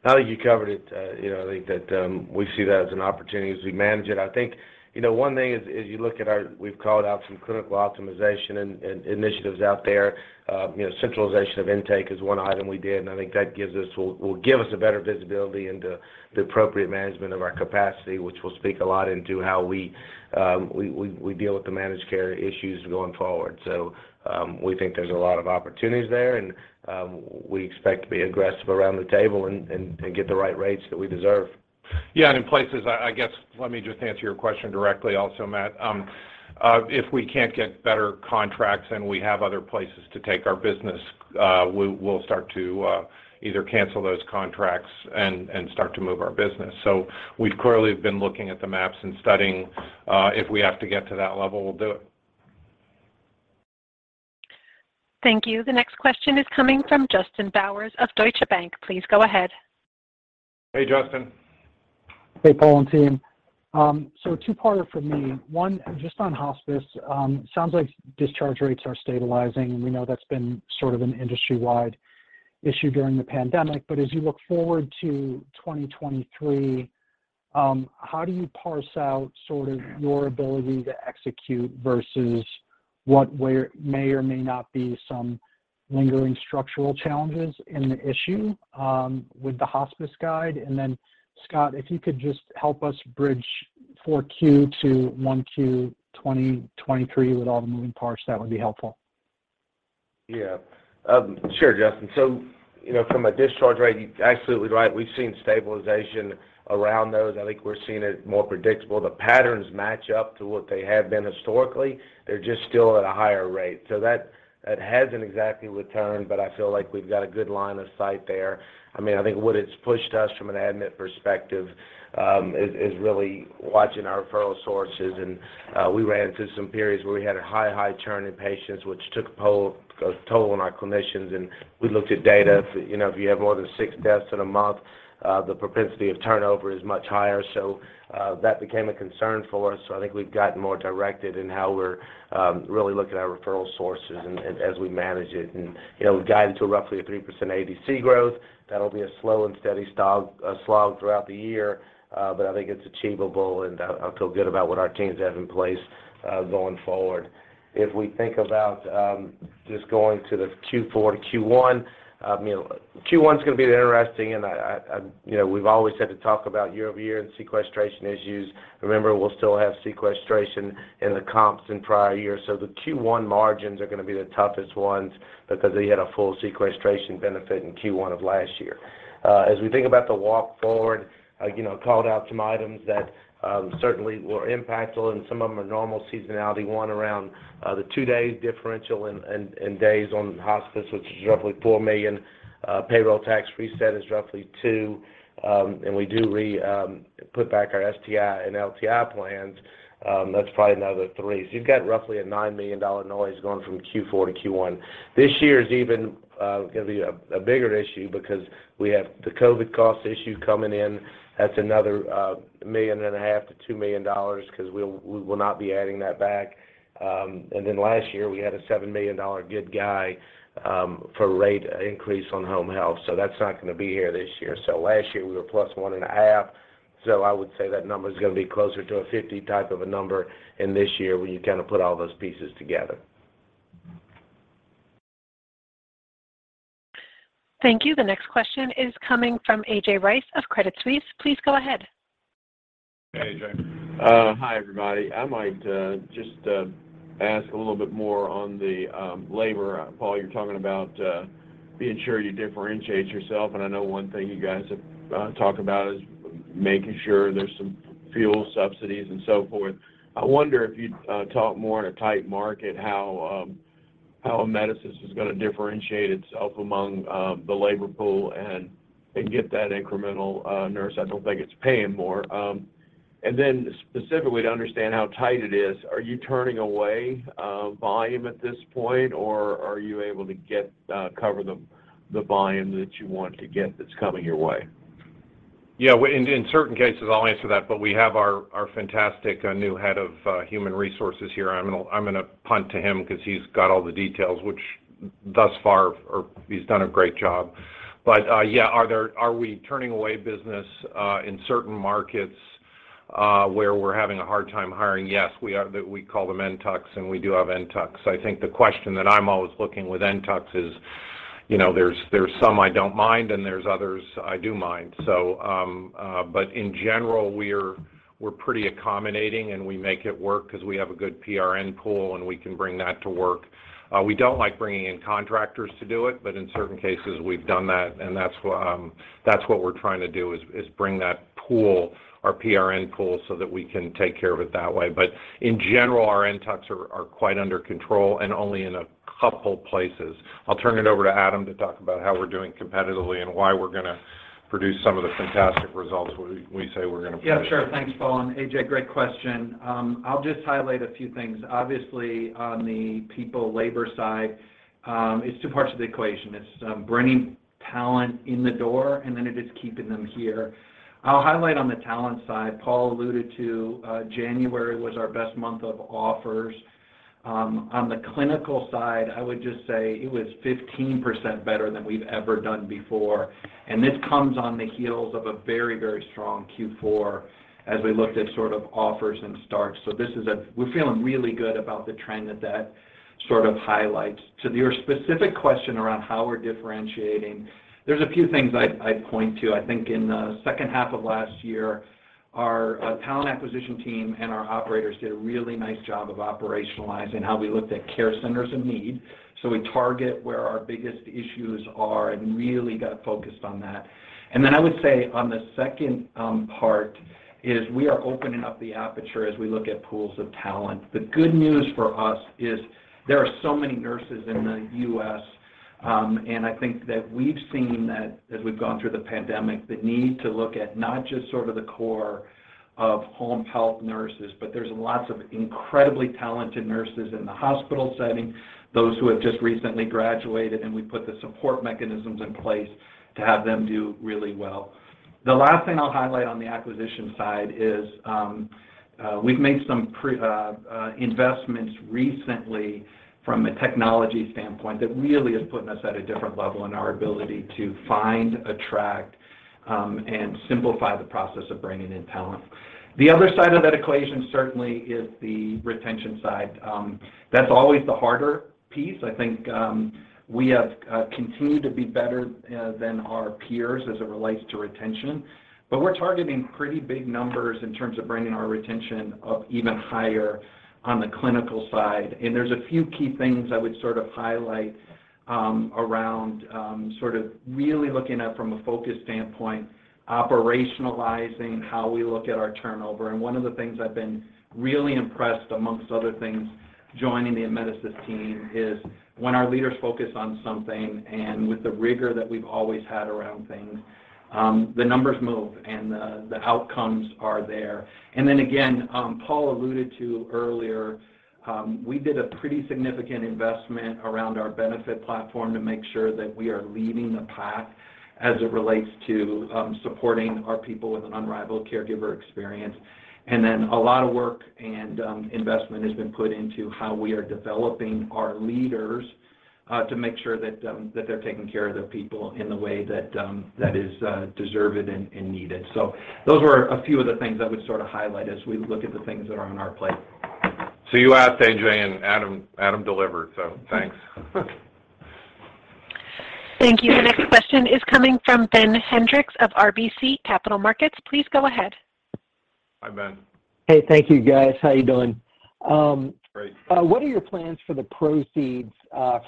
No, you covered it. You know, I think that we see that as an opportunity as we manage it. I think, you know, one thing is you look at we've called out some clinical optimization and initiatives out there. You know, centralization of intake is one item we did, and I think that will give us a better visibility into the appropriate management of our capacity, which will speak a lot into how we deal with the managed care issues going forward. We think there's a lot of opportunities there, and we expect to be aggressive around the table and get the right rates that we deserve. Yeah. In places, I guess, let me just answer your question directly also, Matt. If we can't get better contracts and we have other places to take our business, we'll start to either cancel those contracts and start to move our business. We clearly have been looking at the maps and studying, if we have to get to that level, we'll do it. Thank you. The next question is coming from Justin Bowers of Deutsche Bank. Please go ahead. Hey, Justin. Hey, Paul and team. Two-parter for me. One, just on hospice, sounds like discharge rates are stabilizing, and we know that's been sort of an industry-wide issue during the pandemic. As you look forward to 2023, how do you parse out sort of your ability to execute versus what may or may not be some lingering structural challenges in the issue, with the hospice guide? Then, Scott, if you could just help us bridge 4Q to 1Q 2023 with all the moving parts, that would be helpful. Yeah. Sure, Justin. You know, from a discharge rate, you're absolutely right, we've seen stabilization around those. I think we're seeing it more predictable. The patterns match up to what they have been historically. They're just still at a higher rate. That, that hasn't exactly returned, but I feel like we've got a good line of sight there. I mean, I think what it's pushed us from an admit perspective, is really watching our referral sources. We ran into some periods where we had a high churn in patients, which took a toll on our clinicians. We looked at data for, you know, if you have more than six deaths in a month, the propensity of turnover is much higher. That became a concern for us. I think we've gotten more directed in how we're really looking at our referral sources and as we manage it. You know, we've guided to roughly a 3% ADC growth. That'll be a slow and steady slog throughout the year, but I think it's achievable, and I,You know, we've always had to talk about year-over-year and sequestration issues. Remember, we'll still have sequestration in the comps in prior years. The Q1 margins are going to be the toughest ones because they had a full sequestration benefit in Q1 of last year. As we think about the walk forward, you know, called out some items that certainly were impactful, and some of them are normal seasonality, one around the two-day differential in days on hospice, which is roughly $4 million. Payroll tax reset is roughly $2 million. And we do put back our STI and LTI plans, that's probably another $3 million. You've got roughly a $9 million noise going from Q4 to Q1. This year is even going tobe a bigger issue because we have the COVID cost issue coming in. That's another $1.5 million-$2 million because we will not be adding that back. Last year, we had a $7 million good guy for rate increase on home health, so that's not going to be here this year. Last year, we were plus one and a half. I would say that number is going to be closer to a 50 type of a number in this year when you kind of put all those pieces together. Thank you. The next question is coming from A.J. Rice of Credit Suisse. Please go ahead. Hey, A.J. Hi, everybody. I might just ask a little bit more on the labor. Paul, you're talking about being sure you differentiate yourself, and I know one thing you guys have talked about is making sure there's some fuel subsidies and so forth. I wonder if you'd talk more on a tight market how Amedisys is going to differentiate itself among the labor pool and get that incremental nurse. I don't think it's paying more. Then specifically to understand how tight it is, are you turning away volume at this point, or are you able to get cover the volume that you want to get that's coming your way? Yeah. In certain cases, I'll answer that, but we have our fantastic new head of human resources here. I'm going to punt to him because he's got all the details, which thus far he's done a great job. Yeah. Are we turning away business in certain markets where we're having a hard time hiring? Yes. We call them NTUCs, and we do have NTUCs. I think the question that I'm always looking with NTUCs is, you know, there's some I don't mind, and there's others I do mind. In general, we're pretty accommodating, and we make it work because we have a good PRN pool, and we can bring that to work. We don't like bringing in contractors to do it, but in certain cases we've done that, and that's what we're trying to do, is bring that pool, our PRN pool, so that we can take care of it that way. In general, our NTUCs are quite under control and only in a couple places. I'll turn it over to Adam to talk about how we're doing competitively and why we're going to produce some of the fantastic results we say we're going to produce. Yeah, sure. Thanks, Paul, and AJ, great question. I'll just highlight a few things. Obviously, on the people labor side, it's two parts of the equation. It's bringing talent in the door, and then it is keeping them here. I'll highlight on the talent side. Paul alluded to, January was our best month of offers. On the clinical side, I would just say it was 15% better than we've ever done before. This comes on the heels of a very strong Q4 as we looked at sort of offers and starts. This is a We're feeling really good about the trend that sort of highlights. To your specific question around how we're differentiating, there's a few things I'd point to. I think in the second half of last year, our talent acquisition team and our operators did a really nice job of operationalizing how we looked at care centers in need. We target where our biggest issues are and really got focused on that. I would say on the second part is we are opening up the aperture as we look at pools of talent. The good news for us is there are so many nurses in the U.S. I think that we've seen that as we've gone through the pandemic, the need to look at not just sort of the core of home health nurses, but there's lots of incredibly talented nurses in the hospital setting, those who have just recently graduated, and we put the support mechanisms in place to have them do really well. The last thing I'll highlight on the acquisition side is, we've made some investments recently from a technology standpoint that really is putting us at a different level in our ability to find, attract, and simplify the process of bringing in talent. The other side of that equation certainly is the retention side. That's always the harder piece. I think, we have continued to be better than our peers as it relates to retention, but we're targeting pretty big numbers in terms of bringing our retention up even higher on the clinical side. There's a few key things I would sort of highlight, around sort of really looking at from a focus standpoint, operationalizing how we look at our turnover. One of the things I've been really impressed amongst other things, joining the Amedisys team, is when our leaders focus on something and with the rigor that we've always had around things, the numbers move and the outcomes are there. Again, Paul alluded to earlier, we did a pretty significant investment around our benefit platform to make sure that we are leading the path as it relates to supporting our people with an unrivaled caregiver experience. A lot of work and investment has been put into how we are developing our leaders to make sure that they're taking care of their people in the way that that is deserved and needed. Those were a few of the things I would sort of highlight as we look at the things that are on our plate. You asked A.J., and Adam delivered. Thanks. Thank you. The next question is coming from Ben Hendrix of RBC Capital Markets. Please go ahead. Hi, Ben. Hey, thank you guys. How you doing? Great. What are your plans for the proceeds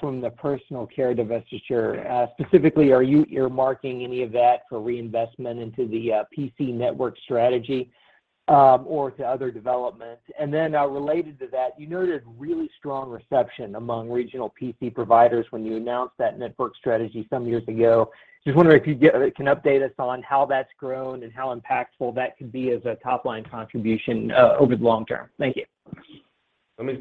from the personal care divestiture? Specifically, are you earmarking any of that for reinvestment into the PC network strategy or to other development? Related to that, you noted really strong reception among regional PC providers when you announced that network strategy some years ago. Just wondering if you can update us on how that's grown and how impactful that could be as a top-line contribution over the long term. Thank you.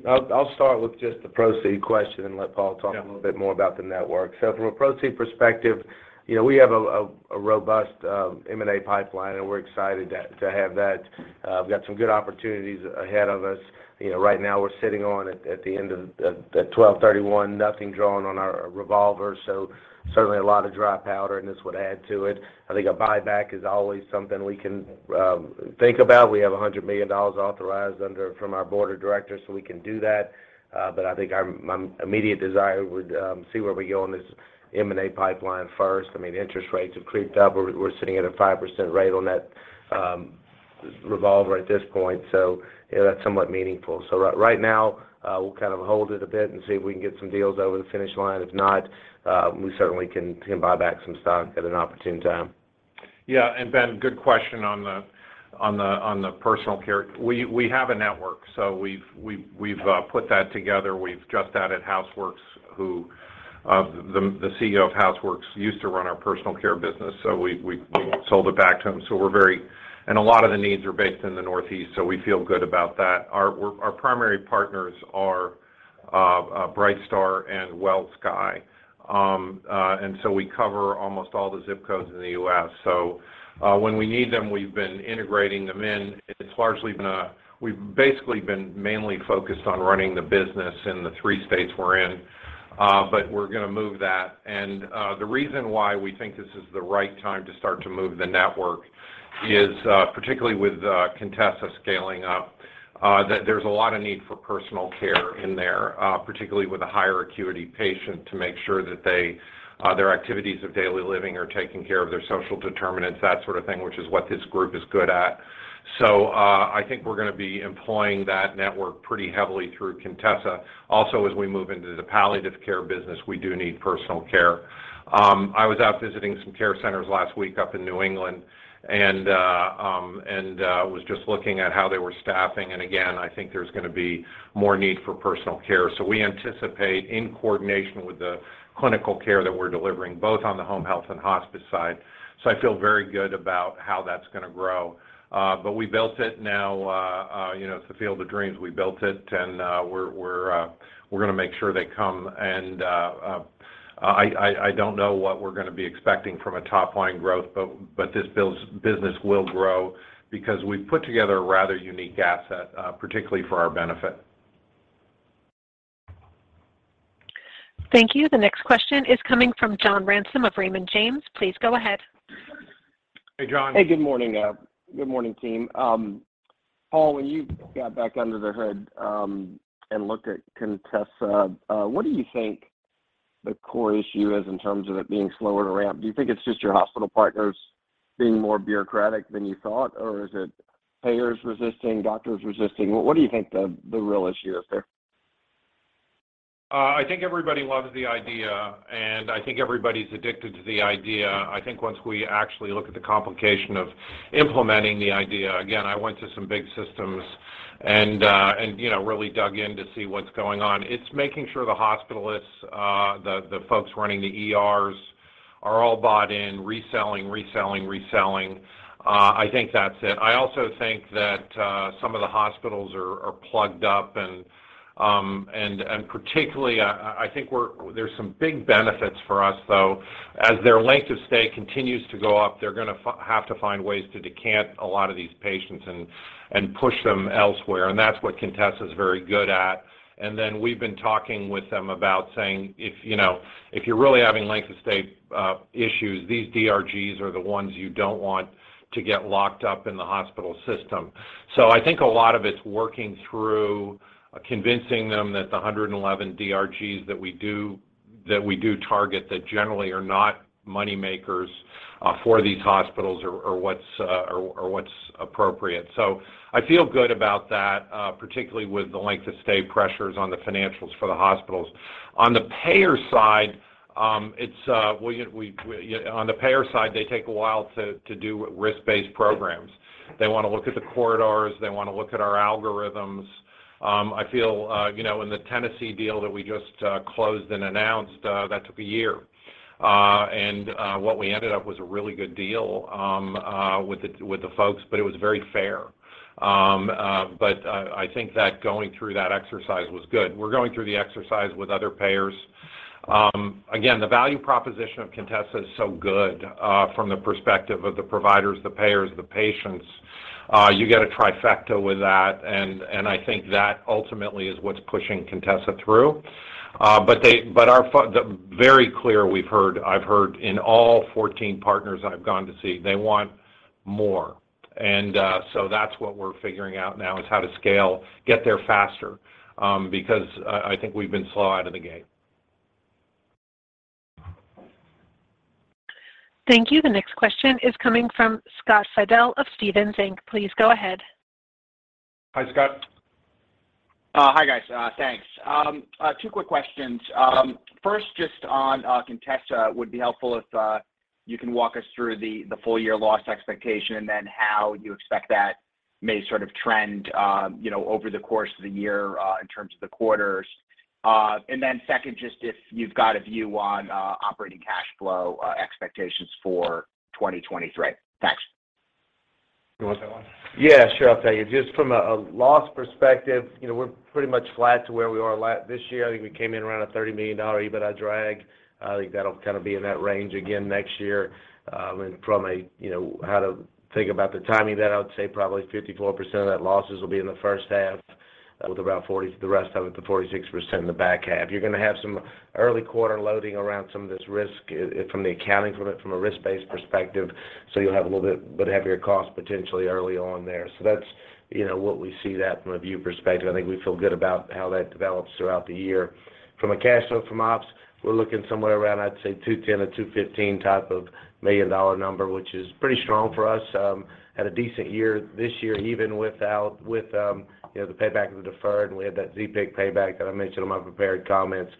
I'll start with just the proceed question and let Paul. Yeah. A little bit more about the network. From a proceed perspective, you know, we have a robust M&A pipeline, and we're excited to have that. We've got some good opportunities ahead of us. You know, right now we're sitting on at the end of 12/31, nothing drawn on our revolver. Certainly a lot of dry powder, and this would add to it. I think a buyback is always something we can think about. We have $100 million authorized under from our board of directors, so we can do that. But I think my immediate desire would see where we go on this M&A pipeline first. I mean, interest rates have creeped up. We're sitting at a 5% rate on that revolver at this point, so, you know, that's somewhat meaningful. Right now, we'll kind of hold it a bit and see if we can get some deals over the finish line. If not, we certainly can buy back some stock at an opportune time. Yeah. Ben, good question on the personal care. We have a network, so we've put that together. We've just added HouseWorks, who the CEO of HouseWorks used to run our personal care business, so we sold it back to him. We're very. A lot of the needs are based in the Northeast, so we feel good about that. Our primary partners are BrightStar and WellSky. We cover almost all the zip codes in the U.S. When we need them, we've been integrating them in. It's largely been. We've basically been mainly focused on running the business in the three states we're in, but we're going to move that. The reason why we think this is the right time to start to move the network is particularly with Contessa scaling up, that there's a lot of need for personal care in there, particularly with a higher acuity patient to make sure that they their activities of daily living are taking care of their social determinants, that sort of thing, which is what this group is good at. I think we're going to be employing that network pretty heavily through Contessa. Also, as we move into the palliative care business, we do need personal care. I was out visiting some care centers last week up in New England and was just looking at how they were staffing. Again, I think there's going to be more need for personal care. We anticipate in coordination with the clinical care that we're delivering both on the home health and hospice side. I feel very good about how that's going to grow. We built it now, you know, it's the field of dreams. We built it and we're going to make sure they come. I don't know what we're going to be expecting from a top-line growth, but this business will grow because we've put together a rather unique asset, particularly for our benefit. Thank you. The next question is coming from John Ransom of Raymond James. Please go ahead. Hey, John. Hey, good morning. Good morning, team. Paul, when you got back under the hood, and looked at Contessa, what do you think the core issue is in terms of it being slower to ramp? Do you think it's just your hospital partners being more bureaucratic than you thought, or is it payers resisting, doctors resisting? What do you think the real issue is there? I think everybody loves the idea, and I think everybody's addicted to the idea. I think once we actually look at the complication of implementing the idea, again, I went to some big systems You know, really dug in to see what's going on. It's making sure the hospitalists, the folks running the ERs are all bought in, reselling, reselling. I think that's it. I also think that some of the hospitals are plugged up and particularly, I think there's some big benefits for us, though. As their length of stay continues to go up, they're going to have to find ways to decant a lot of these patients and push them elsewhere. That's what Contessa is very good at. We've been talking with them about saying, if, you know, if you're really having length of stay issues, these DRGs are the ones you don't want to get locked up in the hospital system. I think a lot of it's working through convincing them that the 111 DRGs that we do target that generally are not money makers for these hospitals or what's appropriate. I feel good about that, particularly with the length of stay pressures on the financials for the hospitals. On the payer side, they take a while to do risk-based programs. They want to look at the corridors, they want to look at our algorithms. I feel, you know, in the Tennessee deal that we just closed and announced that took a year. What we ended up was a really good deal with the folks, but it was very fair. I think that going through that exercise was good. We're going through the exercise with other payers. Again, the value proposition of Contessa Health is so good, from the perspective of the providers, the payers, the patients. You get a trifecta with that. I think that ultimately is what's pushing Contessa Health through. Very clear, we've heard, I've heard in all 14 partners I've gone to see, they want more. That's what we're figuring out now is how to scale, get there faster, because I think we've been slow out of the gate. Thank you. The next question is coming from Scott Fidel of Stephens Inc. Please go ahead. Hi, Scott. Hi, guys. Thanks. Two quick questions. First, just on Contessa, it would be helpful if you can walk us through the full year loss expectation and then how you expect that may sort of trend, you know, over the course of the year, in terms of the quarters. Second, just if you've got a view on operating cash flow expectations for 2023. Thanks. You want that one? Yeah, sure. I'll tell you. Just from a loss perspective, you know, we're pretty much flat to where we were this year. I think we came in around a $30 million EBITDA drag. I think that'll kind of be in that range again next year. From a, you know, how to think about the timing of that, I would say probably 54% of that losses will be in the first half with around 40, the rest of it, the 46% in the back half. You're going to have some early quarter loading around some of this risk from the accounting from it from a risk-based perspective. You'll have a little bit heavier cost potentially early on there. That's, you know, what we see that from a view perspective. I think we feel good about how that develops throughout the year. From a cash flow from ops, we're looking somewhere around, I'd say $210 million-$215 million type of number, which is pretty strong for us. Had a decent year this year, even without, with, you know, the payback of the deferred. We had that Empeek payback that I mentioned in my prepared comments.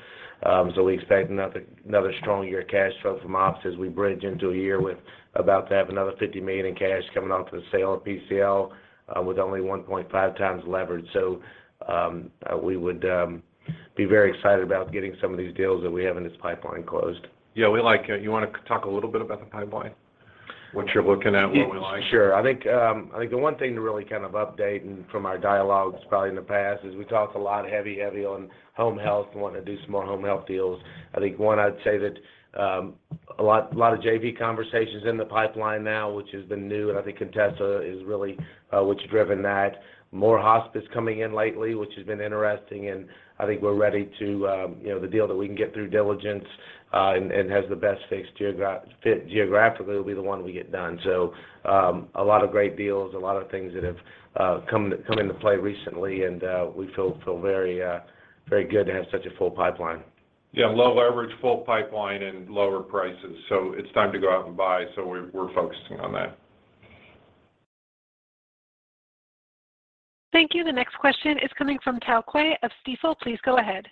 We expect another strong year of cash flow from ops as we bridge into a year with about to have another $50 million in cash coming off of the sale of PCL, with only 1.5x leverage. We would be very excited about getting some of these deals that we have in this pipeline closed. Yeah, You want to talk a little bit about the pipeline? What you're looking at, what we like? Sure. I think, I think the one thing to really kind of update and from our dialogues probably in the past is we talked a lot heavy on home health and wanting to do some more home health deals. I think, one, I'd say that, a lot of JV conversations in the pipeline now, which has been new. I think Contessa is really what's driven that. More hospice coming in lately, which has been interesting. I think we're ready to, you know, the deal that we can get through diligence and has the best fixed fit geographically will be the one we get done. A lot of great deals, a lot of things that have come into play recently. We feel very good to have such a full pipeline. Yeah, low leverage, full pipeline, and lower prices. It's time to go out and buy, so we're focusing on that. Thank you. The next question is coming from Tao Levy of Stifel. Please go ahead.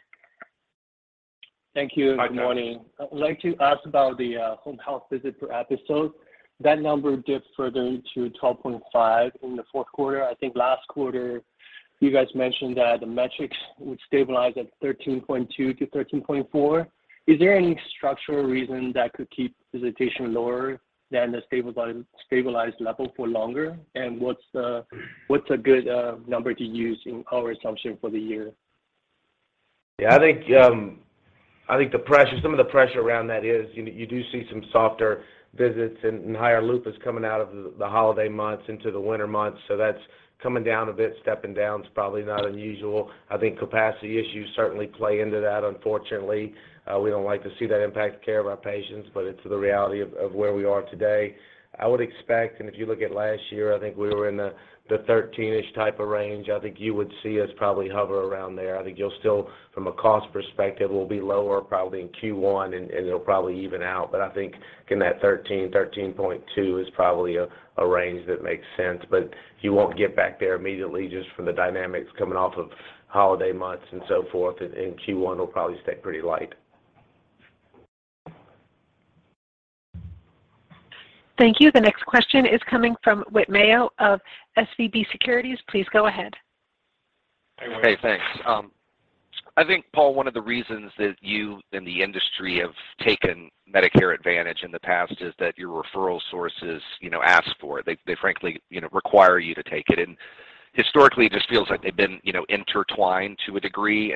Thank you. Hi, Tao. Good morning. I would like to ask about the home health visit per episode. That number dipped further to 12.5 in the fourth quarter. I think last quarter, you guys mentioned that the metrics would stabilize at 13.2 to 13.4. Is there any structural reason that could keep visitation lower than the stabilized level for longer? What's a good number to use in our assumption for the year? I think some of the pressure around that is you do see some softer visits and higher LUPAs coming out of the holiday months into the winter months. That's coming down a bit. Stepping down is probably not unusual. I think capacity issues certainly play into that, unfortunately. We don't like to see that impact the care of our patients, but it's the reality of where we are today. I would expect, if you look at last year, I think we were in the 13-ish type of range. I think you would see us probably hover around there. I think you'll still, from a cost perspective, we'll be lower probably in Q1, and it'll probably even out. I think in that 13.2 is probably a range that makes sense. You won't get back there immediately just from the dynamics coming off of holiday months and so forth. Q1 will probably stay pretty light. Thank you. The next question is coming from Whit Mayo of SVB Securities. Please go ahead. Hey, thanks. I think, Paul, one of the reasons that you and the industry have taken Medicare Advantage in the past is that your referral sources, you know, ask for it. They frankly, you know, require you to take it. Historically, it just feels like they've been, you know, intertwined to a degree.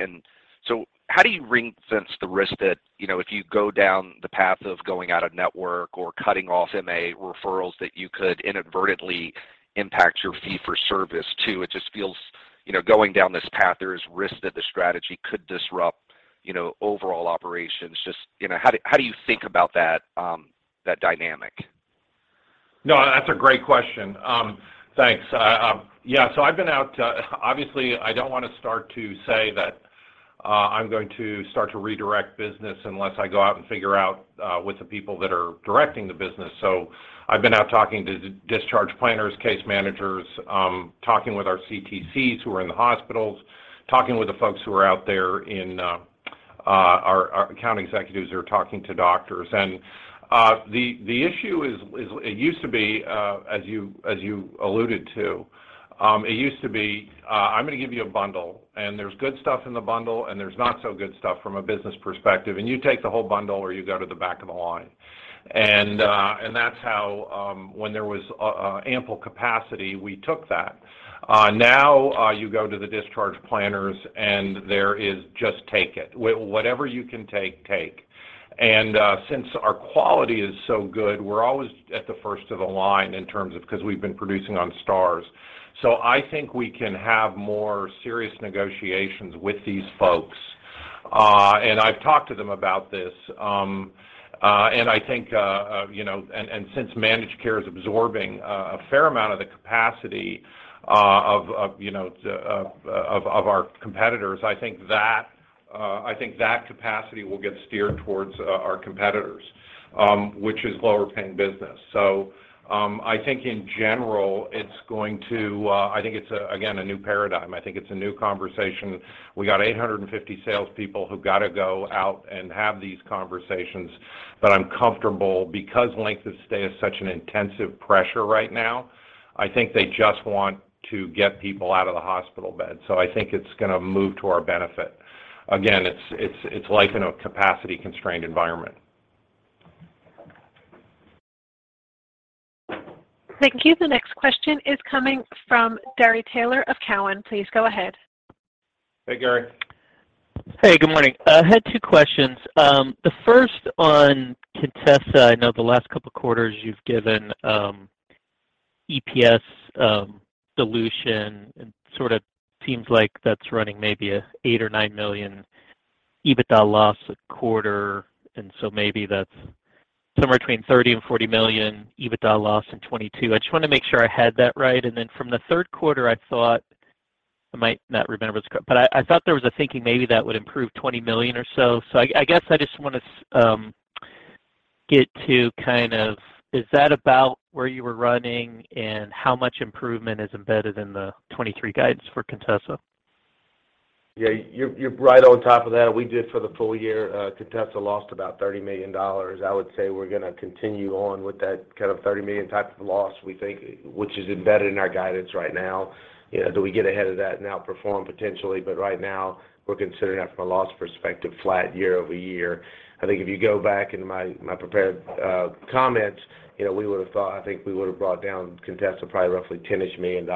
How do you ring-fence the risk that, you know, if you go down the path of going out-of-network or cutting off MA referrals, that you could inadvertently impact your fee-for-service, too? It just feels, you know, going down this path, there is risk that the strategy could disrupt, you know, overall operations. Just, you know, how do you think about that dynamic? No, that's a great question. Thanks. Yeah, I've been out. Obviously, I don't want to start to say that I'm going to start to redirect business unless I go out and figure out with the people that are directing the business. I've been out talking to discharge planners, case managers, talking with our CTCs who are in the hospitals, talking with the folks who are out there in our account executives who are talking to doctors. The issue is it used to be, as you alluded to, it used to be, I'm going to give you a bundle, and there's good stuff in the bundle, and there's not so good stuff from a business perspective, and you take the whole bundle or you go to the back of the line. That's how when there was ample capacity, we took that. Now, you go to the discharge planners, and there is just take it. Whatever you can take. Since our quality is so good, we're always at the first of the line in terms of because we've been producing on stars. I think we can have more serious negotiations with these folks. I've talked to them about this. I think, you know, and since managed care is absorbing a fair amount of the capacity of, you know, the, of our competitors, I think that I think that capacity will get steered towards our competitors, which is lower paying business. I think in general, it's going to, I think it's, again, a new paradigm. I think it's a new conversation. We got 850 salespeople who've got to go out and have these conversations, but I'm comfortable because length of stay is such an intensive pressure right now. I think they just want to get people out of the hospital bed. I think it's going to move to our benefit. Again, it's life in a capacity-constrained environment. Thank you. The next question is coming from Gary Taylor of Cowen. Please go ahead. Hey, Gary. Hey, good morning. I had two questions. The first on Contessa. I know the last couple of quarters you've given EPS dilution, and sort of seems like that's running maybe $8 million-$9 million EBITDA loss a quarter. Maybe that's somewhere between $30 million-$40 million EBITDA loss in 2022. I just want to make sure I had that right. From the third quarter, I thought, I might not remember this correct, but I thought there was a thinking maybe that would improve $20 million or so. I guess I just want to get to kind of is that about where you were running and how much improvement is embedded in the 2023 guidance for Contessa? You're right on top of that. We did for the full year, Contessa lost about $30 million. I would say we're going to continue on with that kind of $30 million type of loss, we think, which is embedded in our guidance right now. You know, do we get ahead of that and outperform potentially? Right now, we're considering that from a loss perspective, flat year-over-year. I think if you go back in my prepared comments, you know, we would have thought, I think we would have brought down Contessa probably roughly $10-ish million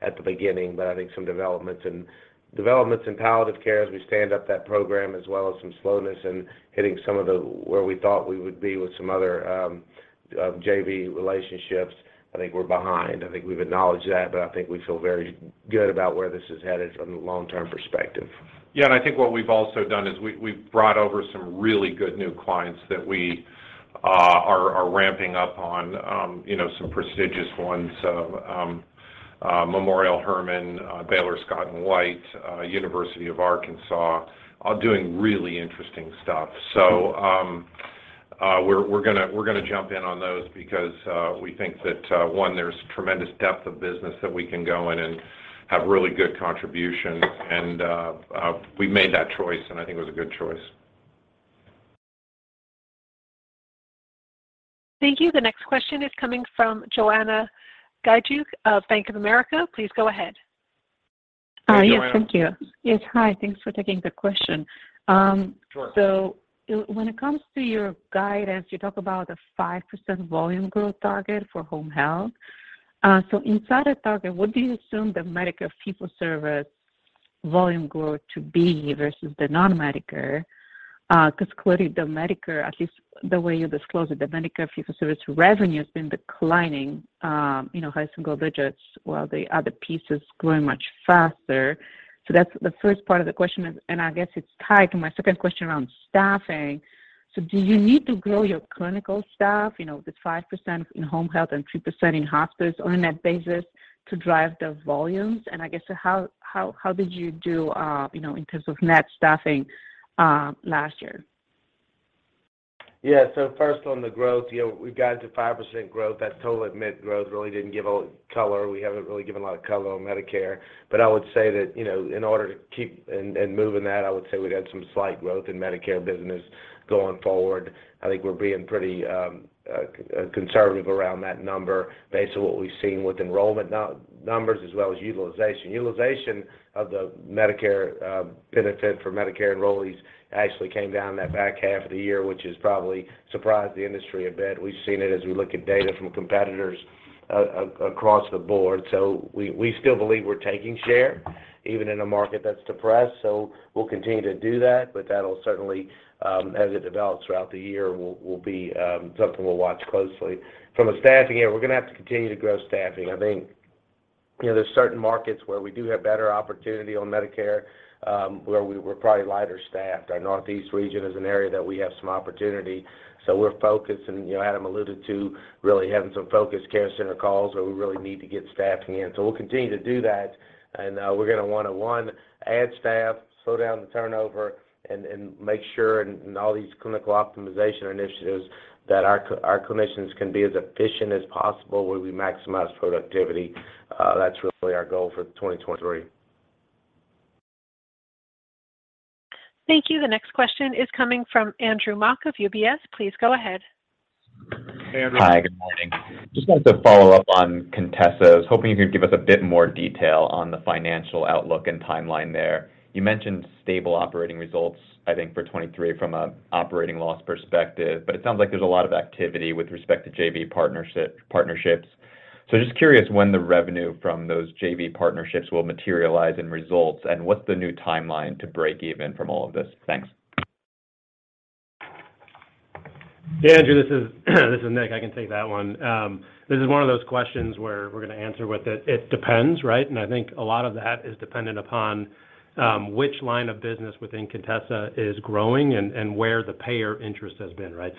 at the beginning. I think some developments in palliative care as we stand up that program, as well as some slowness in hitting some of the where we thought we would be with some other, JV relationships, I think we're behind. I think we've acknowledged that, but I think we feel very good about where this is headed from a long-term perspective. I think what we've also done is we've brought over some really good new clients that we are ramping up on, you know, some prestigious ones, Memorial Hermann, Baylor Scott & White, University of Arkansas, are doing really interesting stuff. We're going to jump in on those because, we think that one, there's tremendous depth of business that we can go in and have really good contribution. We made that choice, and I think it was a good choice. Thank you. The next question is coming from Joanna Gajuk of Bank of America. Please go ahead. Hey, Joanna. Yes, thank you. Yes, hi, thanks for taking the question. Sure. When it comes to your guidance, you talk about a 5% volume growth target for home health. Inside that target, what do you assume the Medicare fee-for-service volume growth to be versus the non-Medicare? Because clearly the Medicare, at least the way you disclose it, the Medicare fee-for-service revenue has been declining, you know, high single digits, while the other piece is growing much faster. That's the first part of the question, and I guess it's tied to my second question around staffing. Do you need to grow your clinical staff, you know, the 5% in home health and 3% in hospice on a net basis to drive the volumes? I guess how did you do, you know, in terms of net staffing, last year? First on the growth, you know, we've got to 5% growth. That's total admit growth. Really didn't give a color. We haven't really given a lot of color on Medicare. I would say that, you know, in order to keep and moving that, I would say we've had some slight growth in Medicare business going forward. I think we're being pretty conservative around that number based on what we've seen with enrollment numbers as well as utilization. Utilization of the Medicare benefit for Medicare enrollees actually came down that back half of the year, which has probably surprised the industry a bit. We've seen it as we look at data from competitors across the board. We still believe we're taking share even in a market that's depressed. We'll continue to do that, but that'll certainly, as it develops throughout the year, will be something we'll watch closely. From a staffing year, we're going to have to continue to grow staffing. I think, you know, there's certain markets where we do have better opportunity on Medicare, where we're probably lighter staffed. Our Northeast region is an area that we have some opportunity, so we're focused. You know, Adam alluded to really having some focused care center calls where we really need to get staffing in. We'll continue to do that, and we're going to want to, one, add staff, slow down the turnover, and make sure and all these clinical optimization initiatives that our clinicians can be as efficient as possible where we maximize productivity. That's really our goal for 2023. Thank you. The next question is coming from Andrew Mok of UBS. Please go ahead. Hey, Andrew. Hi. Good morning. Just wanted to follow up on Contessa. Was hoping you could give us a bit more detail on the financial outlook and timeline there. You mentioned stable operating results, I think for 23 from an operating loss perspective, but it sounds like there's a lot of activity with respect to JV partnerships. Just curious when the revenue from those JV partnerships will materialize in results, and what's the new timeline to break even from all of this? Thanks. Andrew, this is Nick. I can take that one. This is one of those questions where we're going to answer with it. It depends, right? I think a lot of that is dependent upon which line of business within Contessa Health is growing and where the payer interest has been, right?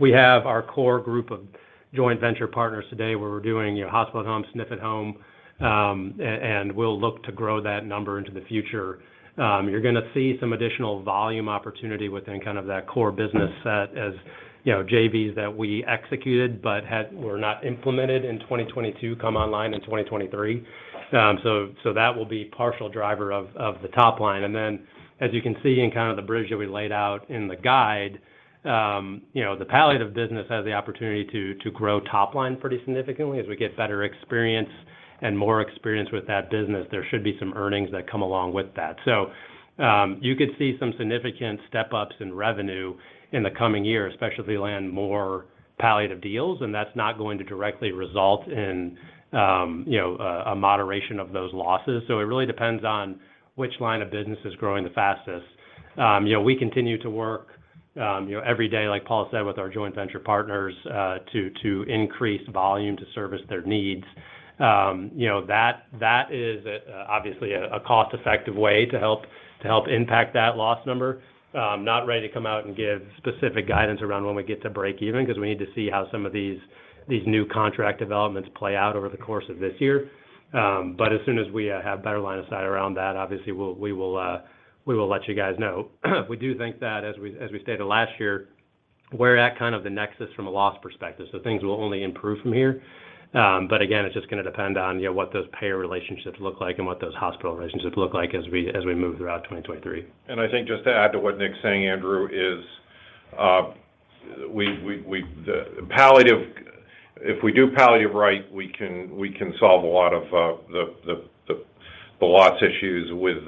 We have our core group of joint venture partners today where we're doing your Hospital at Home, SNF at Home, and we'll look to grow that number into the future. You're going to see some additional volume opportunity within kind of that core business set as, you know, JVs that we executed but were not implemented in 2022, come online in 2023. That will be partial driver of the top line. As you can see in kind of the bridge that we laid out in the guide, you know, the palliative business has the opportunity to grow top line pretty significantly. As we get better experience and more experience with that business, there should be some earnings that come along with that. You could see some significant step-ups in revenue in the coming year, especially if they land more palliative deals, and that's not going to directly result in, you know, a moderation of those losses. It really depends on which line of business is growing the fastest. You know, we continue to work, you know, every day, like Paul said, with our joint venture partners, to increase volume to service their needs. You know, that is obviously a cost-effective way to help impact that loss number. Not ready to come out and give specific guidance around when we get to break even because we need to see how some of these new contract developments play out over the course of this year. As soon as we have better line of sight around that, obviously, we will let you guys know. We do think that as we stated last year, we're at kind of the nexus from a loss perspective. Things will only improve from here. Again, it's just going to depend on, you know, what those payer relationships look like and what those hospital relationships look like as we move throughout 2023. I think just to add to what Nick's saying, Andrew, is, the palliative. If we do palliative right, we can solve a lot of the loss issues with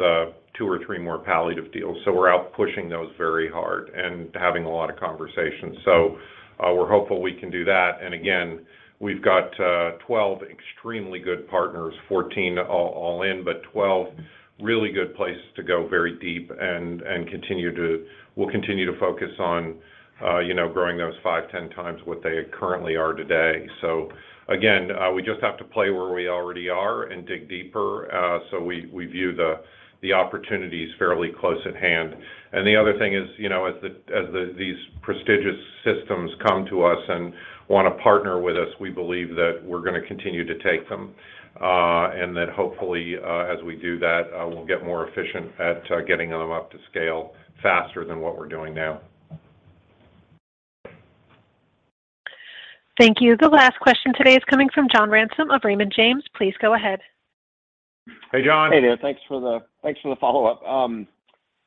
two or three more palliative deals. We're out pushing those very hard and having a lot of conversations. We're hopeful we can do that. Again, we've got 12 extremely good partners, 14 all in, but 12 really good places to go very deep, we'll continue to focus on, you know, growing those five, 10x what they currently are today. Again, we just have to play where we already are and dig deeper. We view the opportunities fairly close at hand. The other thing is, you know, as these prestigious systems come to us and want to partner with us, we believe that we're going to continue to take them, and that hopefully, as we do that, we'll get more efficient at getting them up to scale faster than what we're doing now. Thank you. The last question today is coming from John Ransom of Raymond James. Please go ahead. Hey, John. Hey there. Thanks for the follow-up.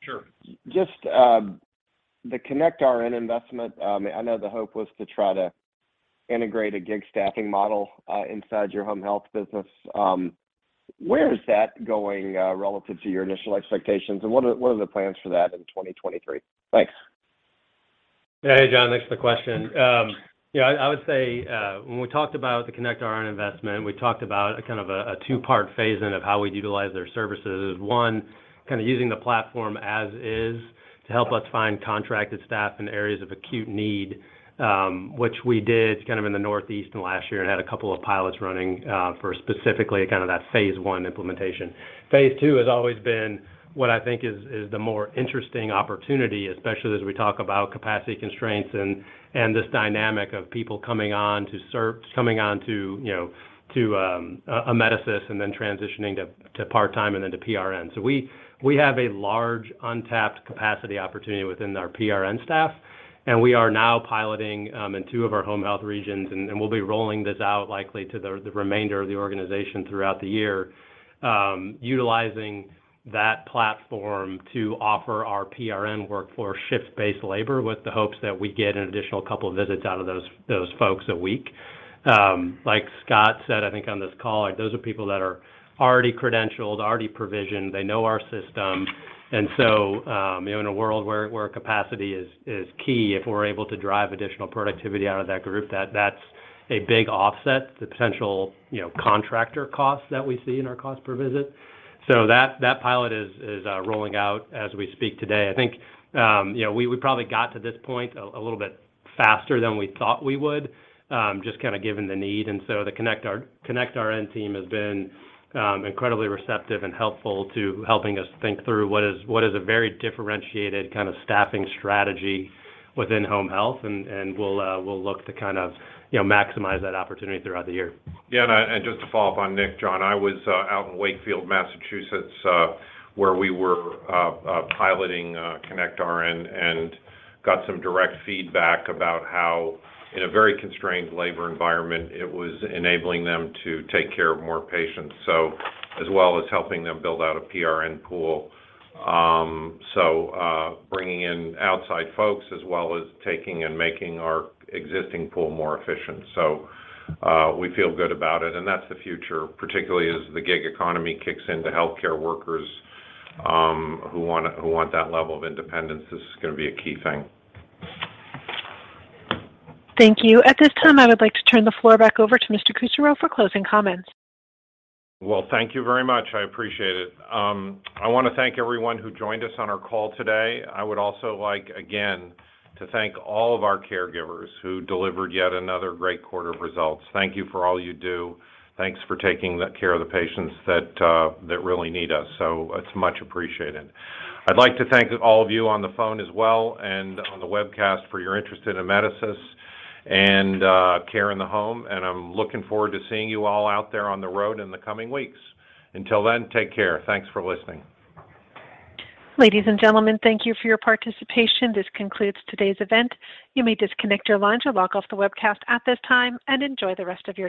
Sure. Just, the connectRN investment, I know the hope was to try to integrate a gig staffing model, inside your home health business. Where is that going, relative to your initial expectations? What are the plans for that in 2023? Thanks. Hey, John. Thanks for the question. I would say, when we talked about the connectRN investment, we talked about a kind of a two-part phase in of how we'd utilize their services. one, kind of using the platform as is to help us find contracted staff in areas of acute need, which we did kind of in the Northeast last year and had a couple of pilots running for specifically kind of that Phase I implementation. Phase II has always been what I think is the more interesting opportunity, especially as we talk about capacity constraints and this dynamic of people coming on to Amedisys and then transitioning to part-time and then to PRN. We have a large untapped capacity opportunity within our PRN staff, and we are now piloting in two of our home health regions, and we'll be rolling this out likely to the remainder of the organization throughout the year, utilizing that platform to offer our PRN workforce shift-based labor with the hopes that we get an additional couple of visits out of those folks a week. Like Scott said, I think on this call, like those are people that are already credentialed, already provisioned, they know our system. You know, in a world where capacity is key, if we're able to drive additional productivity out of that group, that's a big offset to potential, you know, contractor costs that we see in our cost per visit. That pilot is rolling out as we speak today. I think, you know, we probably got to this point a little bit faster than we thought we would, just kind of given the need. The connectRN team has been incredibly receptive and helpful to helping us think through what is a very differentiated kind of staffing strategy within home health, and we'll look to kind of, you know, maximize that opportunity throughout the year. Yeah. Just to follow up on Nick, John, I was out in Wakefield, Massachusetts, where we were piloting connectRN and got some direct feedback about how in a very constrained labor environment, it was enabling them to take care of more patients. As well as helping them build out a PRN pool, bringing in outside folks as well as taking and making our existing pool more efficient. We feel good about it, and that's the future, particularly as the gig economy kicks into healthcare workers who want that level of independence. This is going to be a key thing. Thank you. At this time, I would like to turn the floor back over to Mr. Kusserow for closing comments. Well, thank you very much. I appreciate it. I want to thank everyone who joined us on our call today. I would also like, again, to thank all of our caregivers who delivered yet another great quarter of results. Thank you for all you do. Thanks for taking the care of the patients that really need us. It's much appreciated. I'd like to thank all of you on the phone as well and on the webcast for your interest in Amedisys and care in the home. I'm looking forward to seeing you all out there on the road in the coming weeks. Until then, take care. Thanks for listening. Ladies and gentlemen, thank you for your participation. This concludes today's event. You may disconnect your line to log off the webcast at this time, and enjoy the rest of your day.